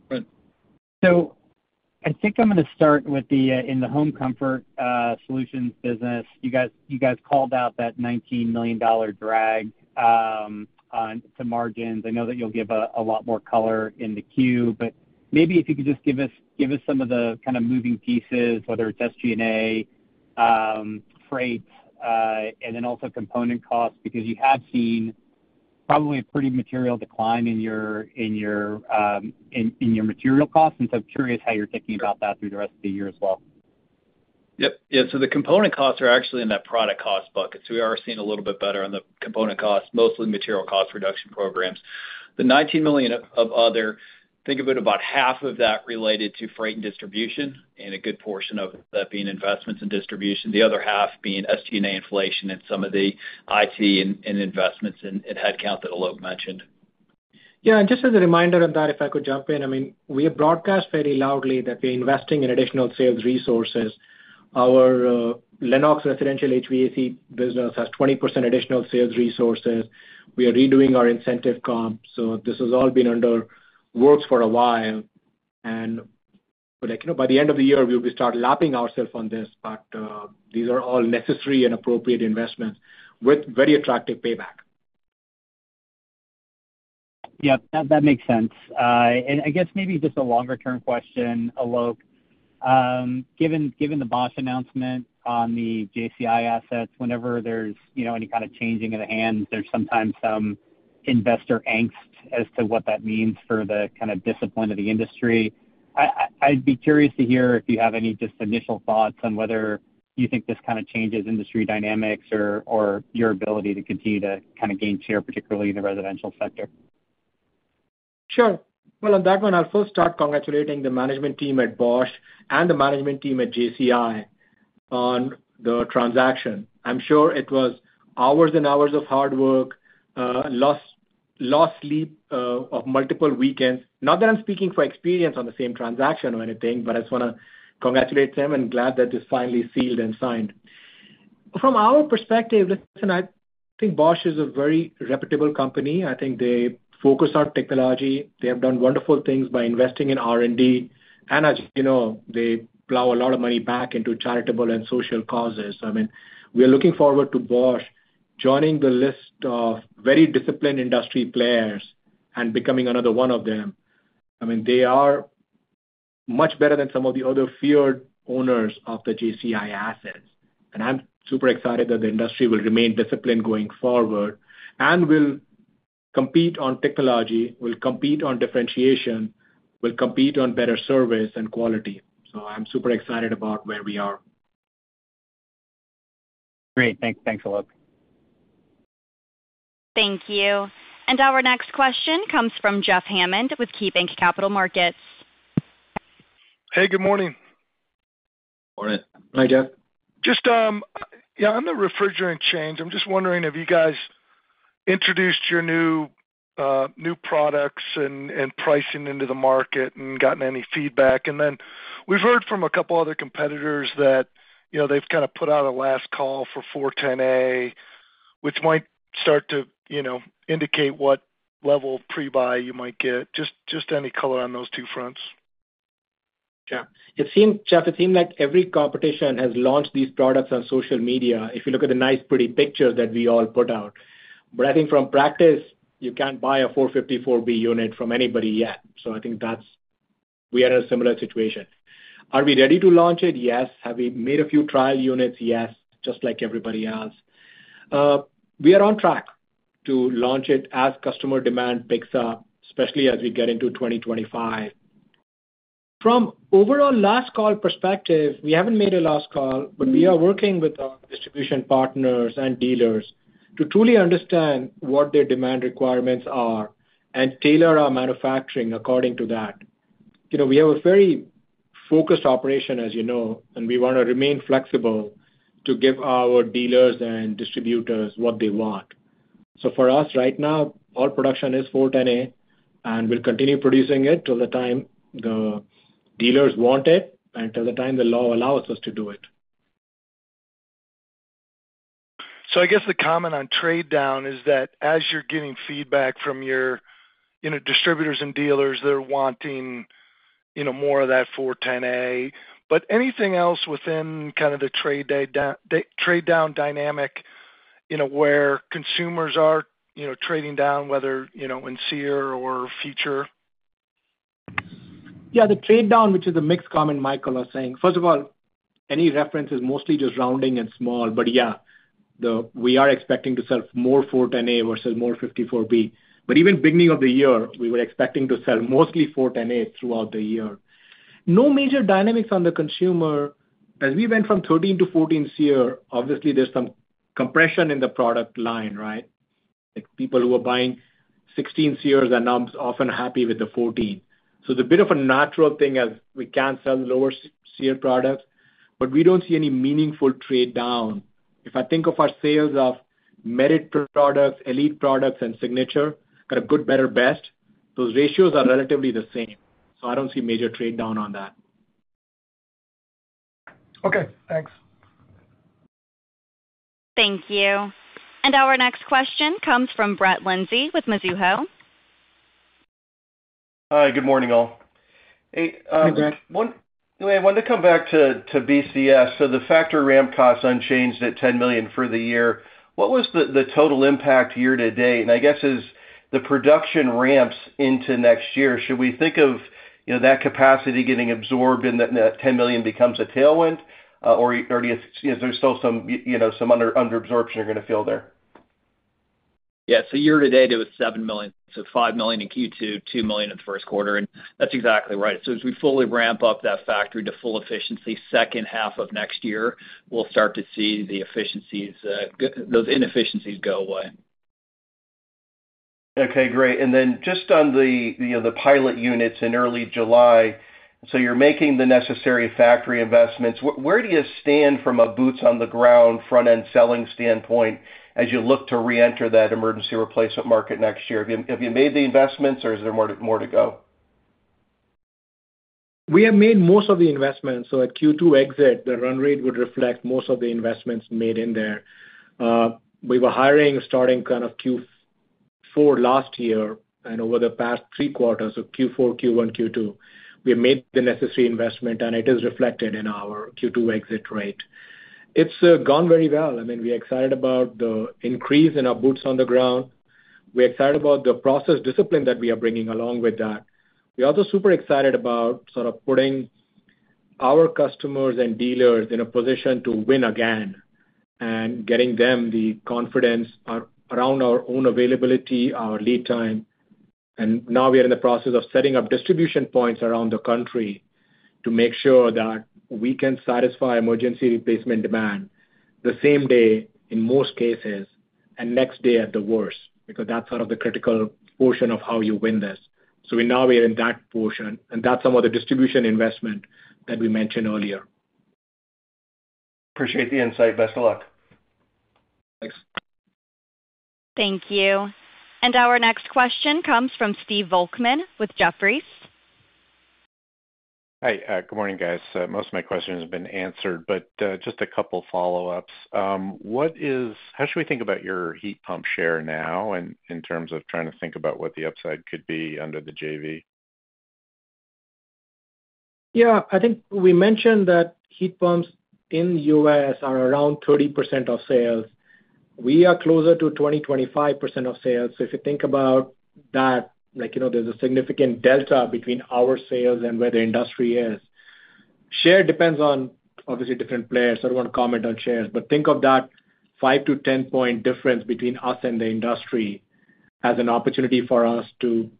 Good. I think I'm going to start with the in-the-home comfort solutions business. You guys called out that $19 million drag onto margins. I know that you'll give a lot more color in the queue, but maybe if you could just give us some of the kind of moving pieces, whether it's SG&A, freight, and then also component costs, because you have seen probably a pretty material decline in your material costs. And so I'm curious how you're thinking about that through the rest of the year as well. Yep. Yeah. So the component costs are actually in that product cost bucket. So we are seeing a little bit better on the component costs, mostly material cost reduction programs. The $19 million of other, think of it, about half of that related to freight and distribution and a good portion of that being investments in distribution, the other half being SG&A inflation and some of the IT and investments in headcount that Alok mentioned. Yeah. And just as a reminder on that, if I could jump in, I mean, we have broadcast fairly loudly that we're investing in additional sales resources. Our Lennox residential HVAC business has 20% additional sales resources. We are redoing our incentive comp. So this has all been in the works for a while. And by the end of the year, we'll start lapping ourselves on this, but these are all necessary and appropriate investments with very attractive payback. Yep. That makes sense. I guess maybe just a longer-term question, Alok. Given the Bosch announcement on the JCI assets, whenever there's any kind of changing of the hands, there's sometimes some investor angst as to what that means for the kind of discipline of the industry. I'd be curious to hear if you have any just initial thoughts on whether you think this kind of changes industry dynamics or your ability to continue to kind of gain share, particularly in the residential sector. Sure. Well, on that one, I'll first start congratulating the management team at Bosch and the management team at JCI on the transaction. I'm sure it was hours and hours of hard work, lost sleep of multiple weekends. Not that I'm speaking for experience on the same transaction or anything, but I just want to congratulate them and glad that this finally sealed and signed. From our perspective, listen, I think Bosch is a very reputable company. I think they focus on technology. They have done wonderful things by investing in R&D. And as you know, they plow a lot of money back into charitable and social causes. I mean, we are looking forward to Bosch joining the list of very disciplined industry players and becoming another one of them. I mean, they are much better than some of the other feared owners of the JCI assets. I'm super excited that the industry will remain disciplined going forward and will compete on technology, will compete on differentiation, will compete on better service and quality. I'm super excited about where we are. Great. Thanks, Alok. Thank you. Our next question comes from Jeff Hammond with KeyBanc Capital Markets. Hey, good morning. Morning. Hi, Jeff. Just, yeah, on the refrigerant change, I'm just wondering if you guys introduced your new products and pricing into the market and gotten any feedback. And then we've heard from a couple of other competitors that they've kind of put out a last call for R-410A, which might start to indicate what level of pre-buy you might get. Just any color on those two fronts. Yeah. Jeff, it seems like every competitor has launched these products on social media if you look at the nice, pretty pictures that we all put out. But I think in practice, you can't buy a 454B unit from anybody yet. So I think we are in a similar situation. Are we ready to launch it? Yes. Have we made a few trial units? Yes. Just like everybody else. We are on track to launch it as customer demand picks up, especially as we get into 2025. From overall last call perspective, we haven't made a last call, but we are working with our distribution partners and dealers to truly understand what their demand requirements are and tailor our manufacturing according to that. We have a very focused operation, as you know, and we want to remain flexible to give our dealers and distributors what they want. So for us right now, all production is R-410A, and we'll continue producing it till the time the dealers want it and till the time the law allows us to do it. I guess the comment on trade-down is that as you're getting feedback from your distributors and dealers, they're wanting more of that R-410A. But anything else within kind of the trade-down dynamic where consumers are trading down, whether in SEER or feature? Yeah. The trade-down, which is a mix comment Michael was saying. First of all, any reference is mostly just rounding and small. But yeah, we are expecting to sell more R-410A versus more R-454B. But even beginning of the year, we were expecting to sell mostly R-410A throughout the year. No major dynamics on the consumer. As we went from 13 to 14 SEER, obviously, there's some compression in the product line, right? People who are buying 16 SEERs are now often happy with the 14. So it's a bit of a natural thing as we can sell lower SEER products, but we don't see any meaningful trade-down. If I think of our sales of Merit products, Elite products, and Signature, got a good, better, best, those ratios are relatively the same. So I don't see major trade-down on that. Okay. Thanks. Thank you. And our next question comes from Brett Linzey with Mizuho. Hi. Good morning, all. Hey, Brett. I wanted to come back to BCS. So the factory ramp costs unchanged at $10 million for the year. What was the total impact year-to-date? And I guess as the production ramps into next year, should we think of that capacity getting absorbed and that $10 million becomes a tailwind, or is there still some underabsorption you're going to feel there? Yeah. So year-to-date, it was $7 million. So $5 million in Q2, $2 million in the first quarter. And that's exactly right. So as we fully ramp up that factory to full efficiency, second half of next year, we'll start to see those inefficiencies go away. Okay. Great. And then just on the pilot units in early July, so you're making the necessary factory investments. Where do you stand from a boots-on-the-ground front-end selling standpoint as you look to re-enter that emergency replacement market next year? Have you made the investments, or is there more to go? We have made most of the investments. So at Q2 exit, the run rate would reflect most of the investments made in there. We were hiring starting kind of Q4 last year and over the past three quarters of Q4, Q1, Q2. We have made the necessary investment, and it is reflected in our Q2 exit rate. It's gone very well. I mean, we are excited about the increase in our boots-on-the-ground. We're excited about the process discipline that we are bringing along with that. We're also super excited about sort of putting our customers and dealers in a position to win again and getting them the confidence around our own availability, our lead time. Now we are in the process of setting up distribution points around the country to make sure that we can satisfy emergency replacement demand the same day in most cases and next day at the worst because that's sort of the critical portion of how you win this. Now we are in that portion, and that's some of the distribution investment that we mentioned earlier. Appreciate the insight. Best of luck. Thanks. Thank you. Our next question comes from Steve Volkmann with Jefferies. Hi. Good morning, guys. Most of my questions have been answered, but just a couple of follow-ups. How should we think about your heat pump share now in terms of trying to think about what the upside could be under the JV? Yeah. I think we mentioned that heat pumps in the U.S. are around 30% of sales. We are closer to 20%-25% of sales. So if you think about that, there's a significant delta between our sales and where the industry is. Share depends on, obviously, different players. I don't want to comment on shares, but think of that 5-10-point difference between us and the industry as an opportunity for us to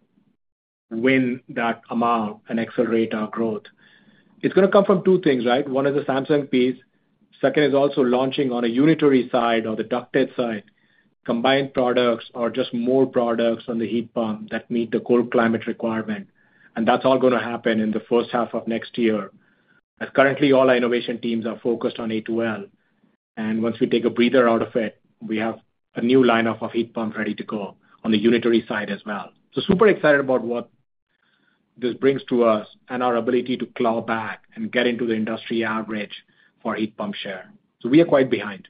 win that amount and accelerate our growth. It's going to come from two things, right? One is the Samsung piece. Second is also launching on a unitary side or the ducted side, combined products or just more products on the heat pump that meet the cold climate requirement. And that's all going to happen in the first half of next year as currently all our innovation teams are focused on A2L. Once we take a breather out of it, we have a new lineup of heat pumps ready to go on the unitary side as well. So super excited about what this brings to us and our ability to claw back and get into the industry average for heat pump share. So we are quite behind.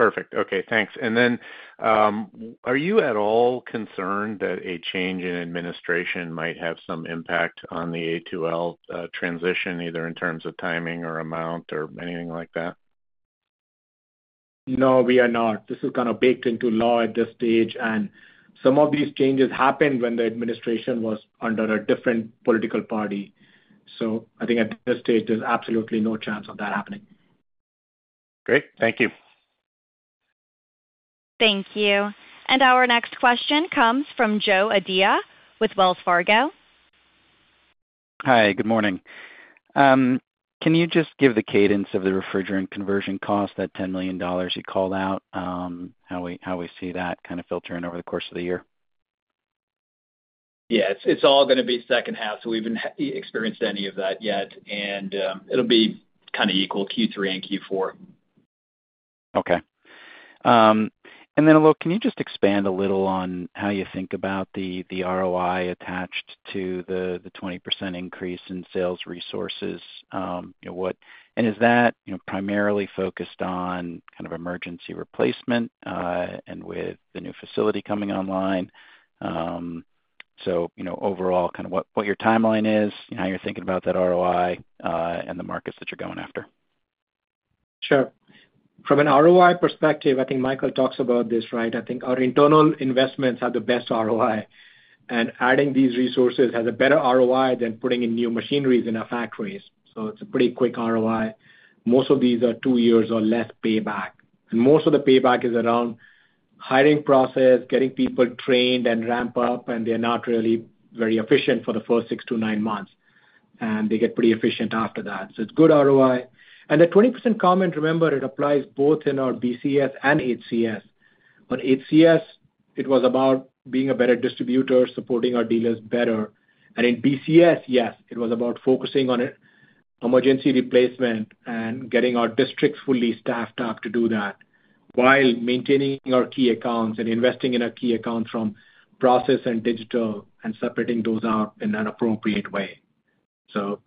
Perfect. Okay. Thanks. And then are you at all concerned that a change in administration might have some impact on the A2L transition, either in terms of timing or amount or anything like that? No, we are not. This is kind of baked into law at this stage. Some of these changes happened when the administration was under a different political party. I think at this stage, there's absolutely no chance of that happening. Great. Thank you. Thank you. Our next question comes from Joe O'Dea with Wells Fargo. Hi. Good morning. Can you just give the cadence of the refrigerant conversion cost, that $10 million you called out, how we see that kind of filtering over the course of the year? Yeah. It's all going to be second half. So we haven't experienced any of that yet. It'll be kind of equal Q3 and Q4. Okay. And then, Alok, can you just expand a little on how you think about the ROI attached to the 20% increase in sales resources? And is that primarily focused on kind of emergency replacement and with the new facility coming online? So overall, kind of what your timeline is, how you're thinking about that ROI, and the markets that you're going after. Sure. From an ROI perspective, I think Michael talks about this, right? I think our internal investments have the best ROI. And adding these resources has a better ROI than putting in new machineries in our factories. So it's a pretty quick ROI. Most of these are two years or less payback. And most of the payback is around hiring process, getting people trained and ramp up, and they're not really very efficient for the first six to nine months. And they get pretty efficient after that. So it's good ROI. And the 20% comment, remember, it applies both in our BCS and HCS. On HCS, it was about being a better distributor, supporting our dealers better. In BCS, yes, it was about focusing on emergency replacement and getting our districts fully staffed up to do that while maintaining our key accounts and investing in our key accounts from process and digital and separating those out in an appropriate way.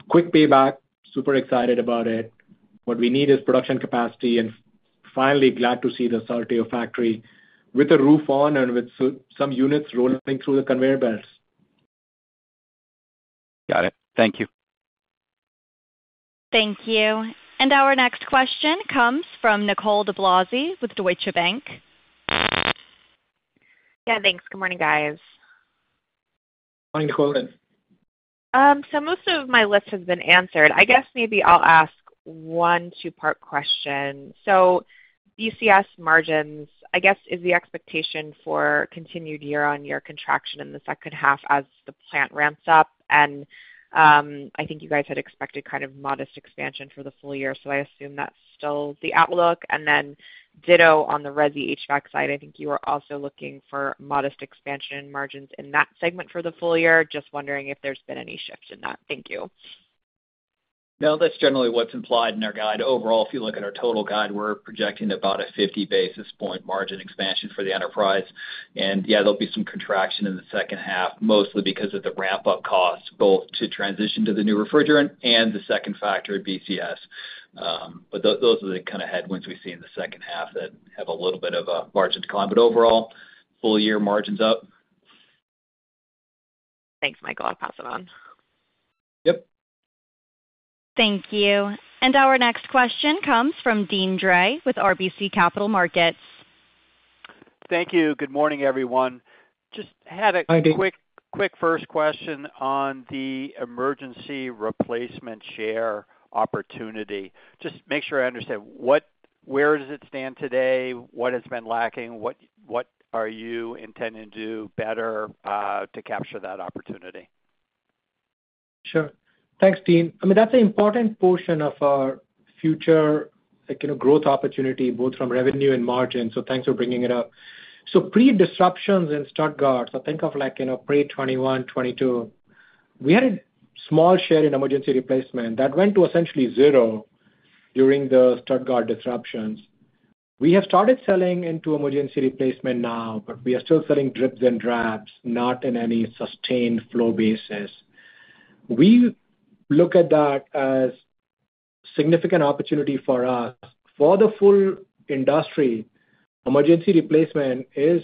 Quick payback, super excited about it. What we need is production capacity and finally glad to see the Saltillo factory with a roof on and with some units rolling through the conveyor belts. Got it. Thank you. Thank you. Our next question comes from Nicole DeBlase with Deutsche Bank. Yeah. Thanks. Good morning, guys. Morning, Nicole. So most of my list has been answered. I guess maybe I'll ask one two-part question. So BCS margins, I guess, is the expectation for continued year-on-year contraction in the second half as the plant ramps up. And I think you guys had expected kind of modest expansion for the full-year. So I assume that's still the outlook. And then ditto on the RESI HVAC side, I think you were also looking for modest expansion margins in that segment for the full-year. Just wondering if there's been any shift in that. Thank you. No, that's generally what's implied in our guide. Overall, if you look at our total guide, we're projecting about a 50 basis point margin expansion for the enterprise. And yeah, there'll be some contraction in the second half, mostly because of the ramp-up cost, both to transition to the new refrigerant and the second factor, BCS. But those are the kind of headwinds we see in the second half that have a little bit of a margin decline. But overall, full-year margins up. Thanks, Michael. I'll pass it on. Yep. Thank you. Our next question comes from Deane Dray with RBC Capital Markets. Thank you. Good morning, everyone. Just had a quick first question on the emergency replacement share opportunity. Just make sure I understand. Where does it stand today? What has been lacking? What are you intending to do better to capture that opportunity? Sure. Thanks, Deane. I mean, that's an important portion of our future growth opportunity, both from revenue and margin. So thanks for bringing it up. So pre-disruptions in Stuttgart, so think of like in a pre-2021, 2022, we had a small share in emergency replacement that went to essentially zero during the Stuttgart disruptions. We have started selling into emergency replacement now, but we are still selling drips and drabs, not in any sustained flow basis. We look at that as significant opportunity for us. For the full industry, emergency replacement is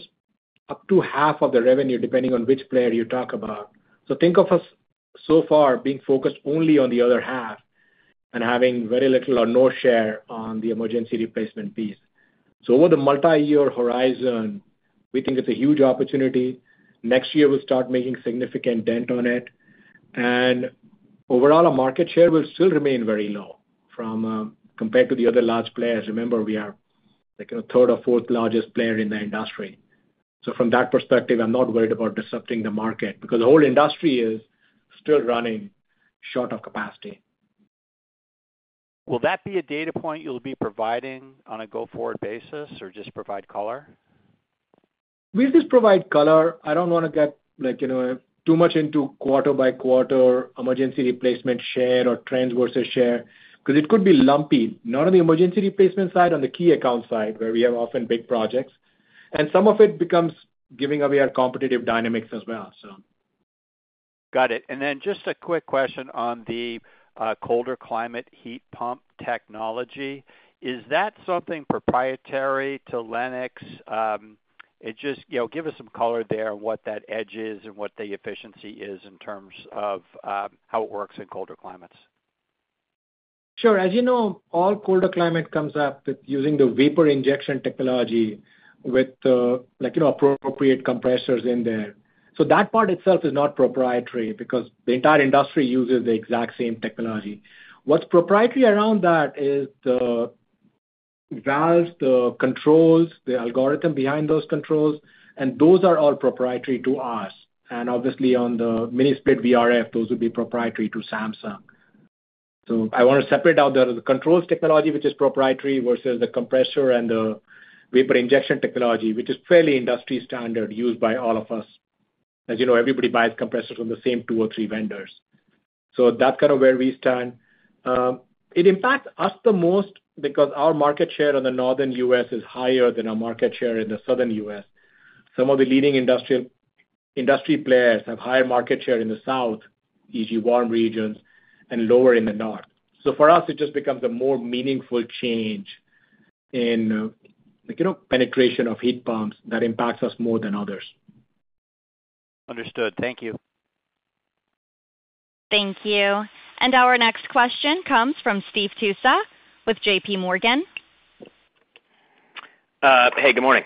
up to half of the revenue, depending on which player you talk about. So think of us so far being focused only on the other half and having very little or no share on the emergency replacement piece. So over the multi-year horizon, we think it's a huge opportunity. Next year, we'll start making significant dent on it. And overall, our market share will still remain very low compared to the other large players. Remember, we are the third or fourth largest player in the industry. So from that perspective, I'm not worried about disrupting the market because the whole industry is still running short of capacity. Will that be a data point you'll be providing on a go-forward basis or just provide color? We'll just provide color. I don't want to get too much into quarter-by-quarter emergency replacement share or trends versus share because it could be lumpy, not on the emergency replacement side, on the key account side where we have often big projects. Some of it becomes giving away our competitive dynamics as well, so. Got it. And then just a quick question on the colder climate heat pump technology. Is that something proprietary to Lennox? Give us some color there on what that edge is and what the efficiency is in terms of how it works in colder climates? Sure. As you know, all colder climate comes up with using the vapor injection technology with appropriate compressors in there. So that part itself is not proprietary because the entire industry uses the exact same technology. What's proprietary around that is the valves, the controls, the algorithm behind those controls. And those are all proprietary to us. And obviously, on the Mini-Split VRF, those would be proprietary to Samsung. So I want to separate out the controls technology, which is proprietary versus the compressor and the vapor injection technology, which is fairly industry standard used by all of us. As you know, everybody buys compressors from the same two or three vendors. So that's kind of where we stand. It impacts us the most because our market share in the northern U.S. is higher than our market share in the southern U.S. Some of the leading industry players have higher market share in the south, e.g., warm regions, and lower in the north. So for us, it just becomes a more meaningful change in penetration of heat pumps that impacts us more than others. Understood. Thank you. Thank you. And our next question comes from Steve Tusa with JPMorgan. Hey. Good morning.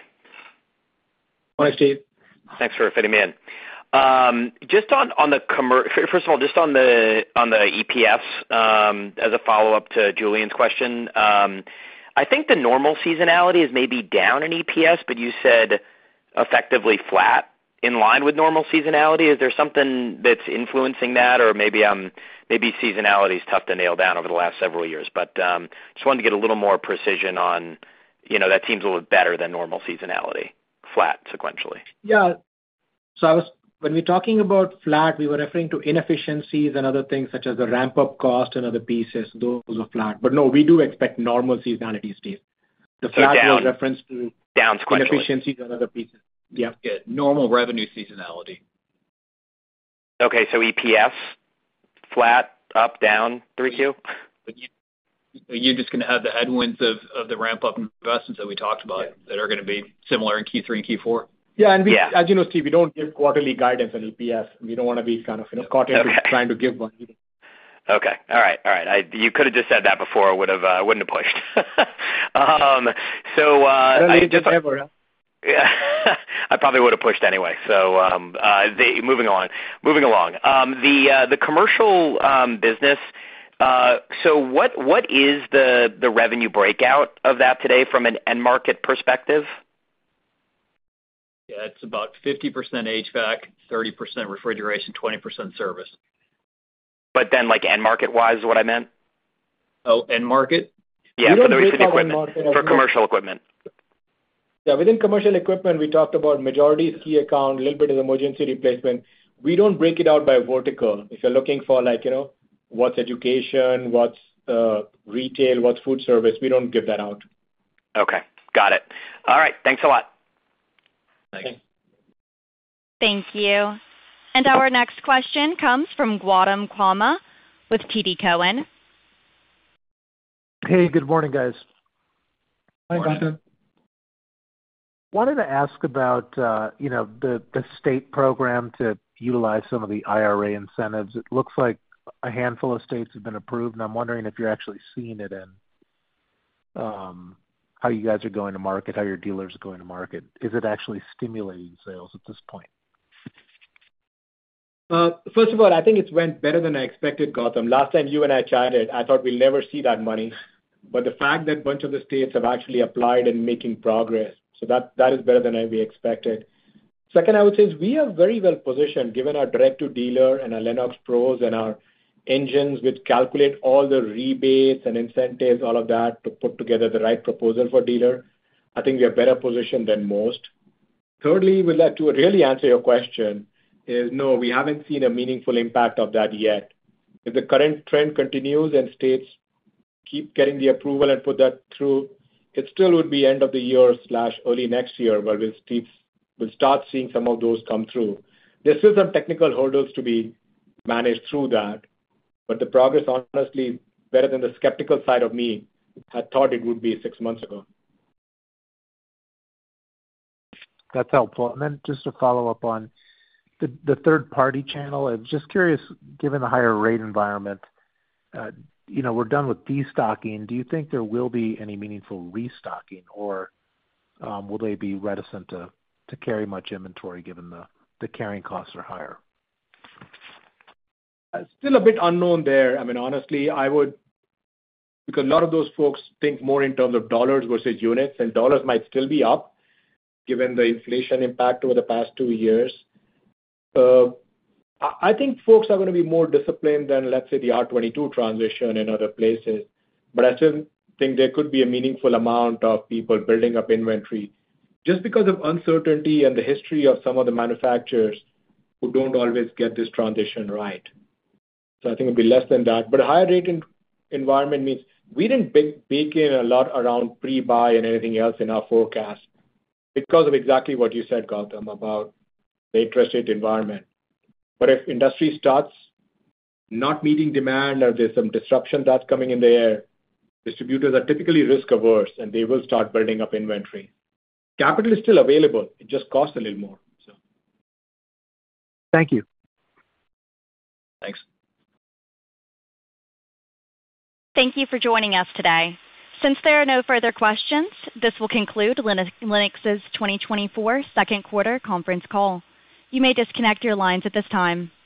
Morning, Steve. Thanks for fitting me in. First of all, just on the EPS, as a follow-up to Julian's question, I think the normal seasonality is maybe down in EPS, but you said effectively flat in line with normal seasonality. Is there something that's influencing that, or maybe seasonality is tough to nail down over the last several years? But just wanted to get a little more precision on that, seems a little better than normal seasonality, flat sequentially. Yeah. So when we're talking about flat, we were referring to inefficiencies and other things such as the ramp-up cost and other pieces. Those are flat. But no, we do expect normal seasonality, Steve. The flat was referenced to inefficiencies and other pieces. Yeah. Normal revenue seasonality. Okay. So EPS, flat, up, down, 3Q? You're just going to have the headwinds of the ramp-up investments that we talked about that are going to be similar in Q3 and Q4? Yeah. And as you know, Steve, we don't give quarterly guidance on EPS. We don't want to be kind of caught into trying to give one. Okay. All right. All right. You could have just said that before. I wouldn't have pushed. So I just. No, you didn't ever. I probably would have pushed anyway. Moving along. The commercial business, so what is the revenue breakout of that today from an end market perspective? Yeah. It's about 50% HVAC, 30% refrigeration, 20% service. But then end market-wise is what I meant? Oh, end market? Yeah. For commercial equipment. Yeah. Within commercial equipment, we talked about majority key account, a little bit of emergency replacement. We don't break it out by vertical. If you're looking for what's education, what's retail, what's food service, we don't give that out. Okay. Got it. All right. Thanks a lot. Thanks. Thank you. Our next question comes from Gautam Khanna with TD Cowen. Hey. Good morning, guys. Hi, Gautam. Wanted to ask about the state program to utilize some of the IRA incentives. It looks like a handful of states have been approved, and I'm wondering if you're actually seeing it in how you guys are going to market, how your dealers are going to market. Is it actually stimulating sales at this point? First of all, I think it's went better than I expected, Gautam. Last time you and I chatted, I thought we'll never see that money. But the fact that a bunch of the states have actually applied and making progress, so that is better than we expected. Second, I would say we are very well positioned given our direct-to-dealer and our LennoxPros and our engines which calculate all the rebates and incentives, all of that to put together the right proposal for dealer. I think we are better positioned than most. Thirdly, with that too, really answer your question is no, we haven't seen a meaningful impact of that yet. If the current trend continues and states keep getting the approval and put that through, it still would be end of the year/early next year where we'll start seeing some of those come through. There's still some technical hurdles to be managed through that. But the progress, honestly, better than the skeptical side of me had thought it would be six months ago. That's helpful. And then just to follow up on the third-party channel, I'm just curious, given the higher rate environment, we're done with destocking. Do you think there will be any meaningful restocking, or will they be reticent to carry much inventory given the carrying costs are higher? Still a bit unknown there. I mean, honestly, because a lot of those folks think more in terms of dollars versus units, and dollars might still be up given the inflation impact over the past two years. I think folks are going to be more disciplined than, let's say, the R-22 transition in other places. But I still think there could be a meaningful amount of people building up inventory just because of uncertainty and the history of some of the manufacturers who don't always get this transition right. So I think it'll be less than that. But a higher rate environment means we didn't bake in a lot around pre-buy and anything else in our forecast because of exactly what you said, Gautam, about the interest rate environment. But if industry starts not meeting demand or there's some disruption that's coming in the air, distributors are typically risk-averse, and they will start building up inventory. Capital is still available. It just costs a little more, so. Thank you. Thanks. Thank you for joining us today. Since there are no further questions, this will conclude Lennox's 2024 second quarter conference call. You may disconnect your lines at this time.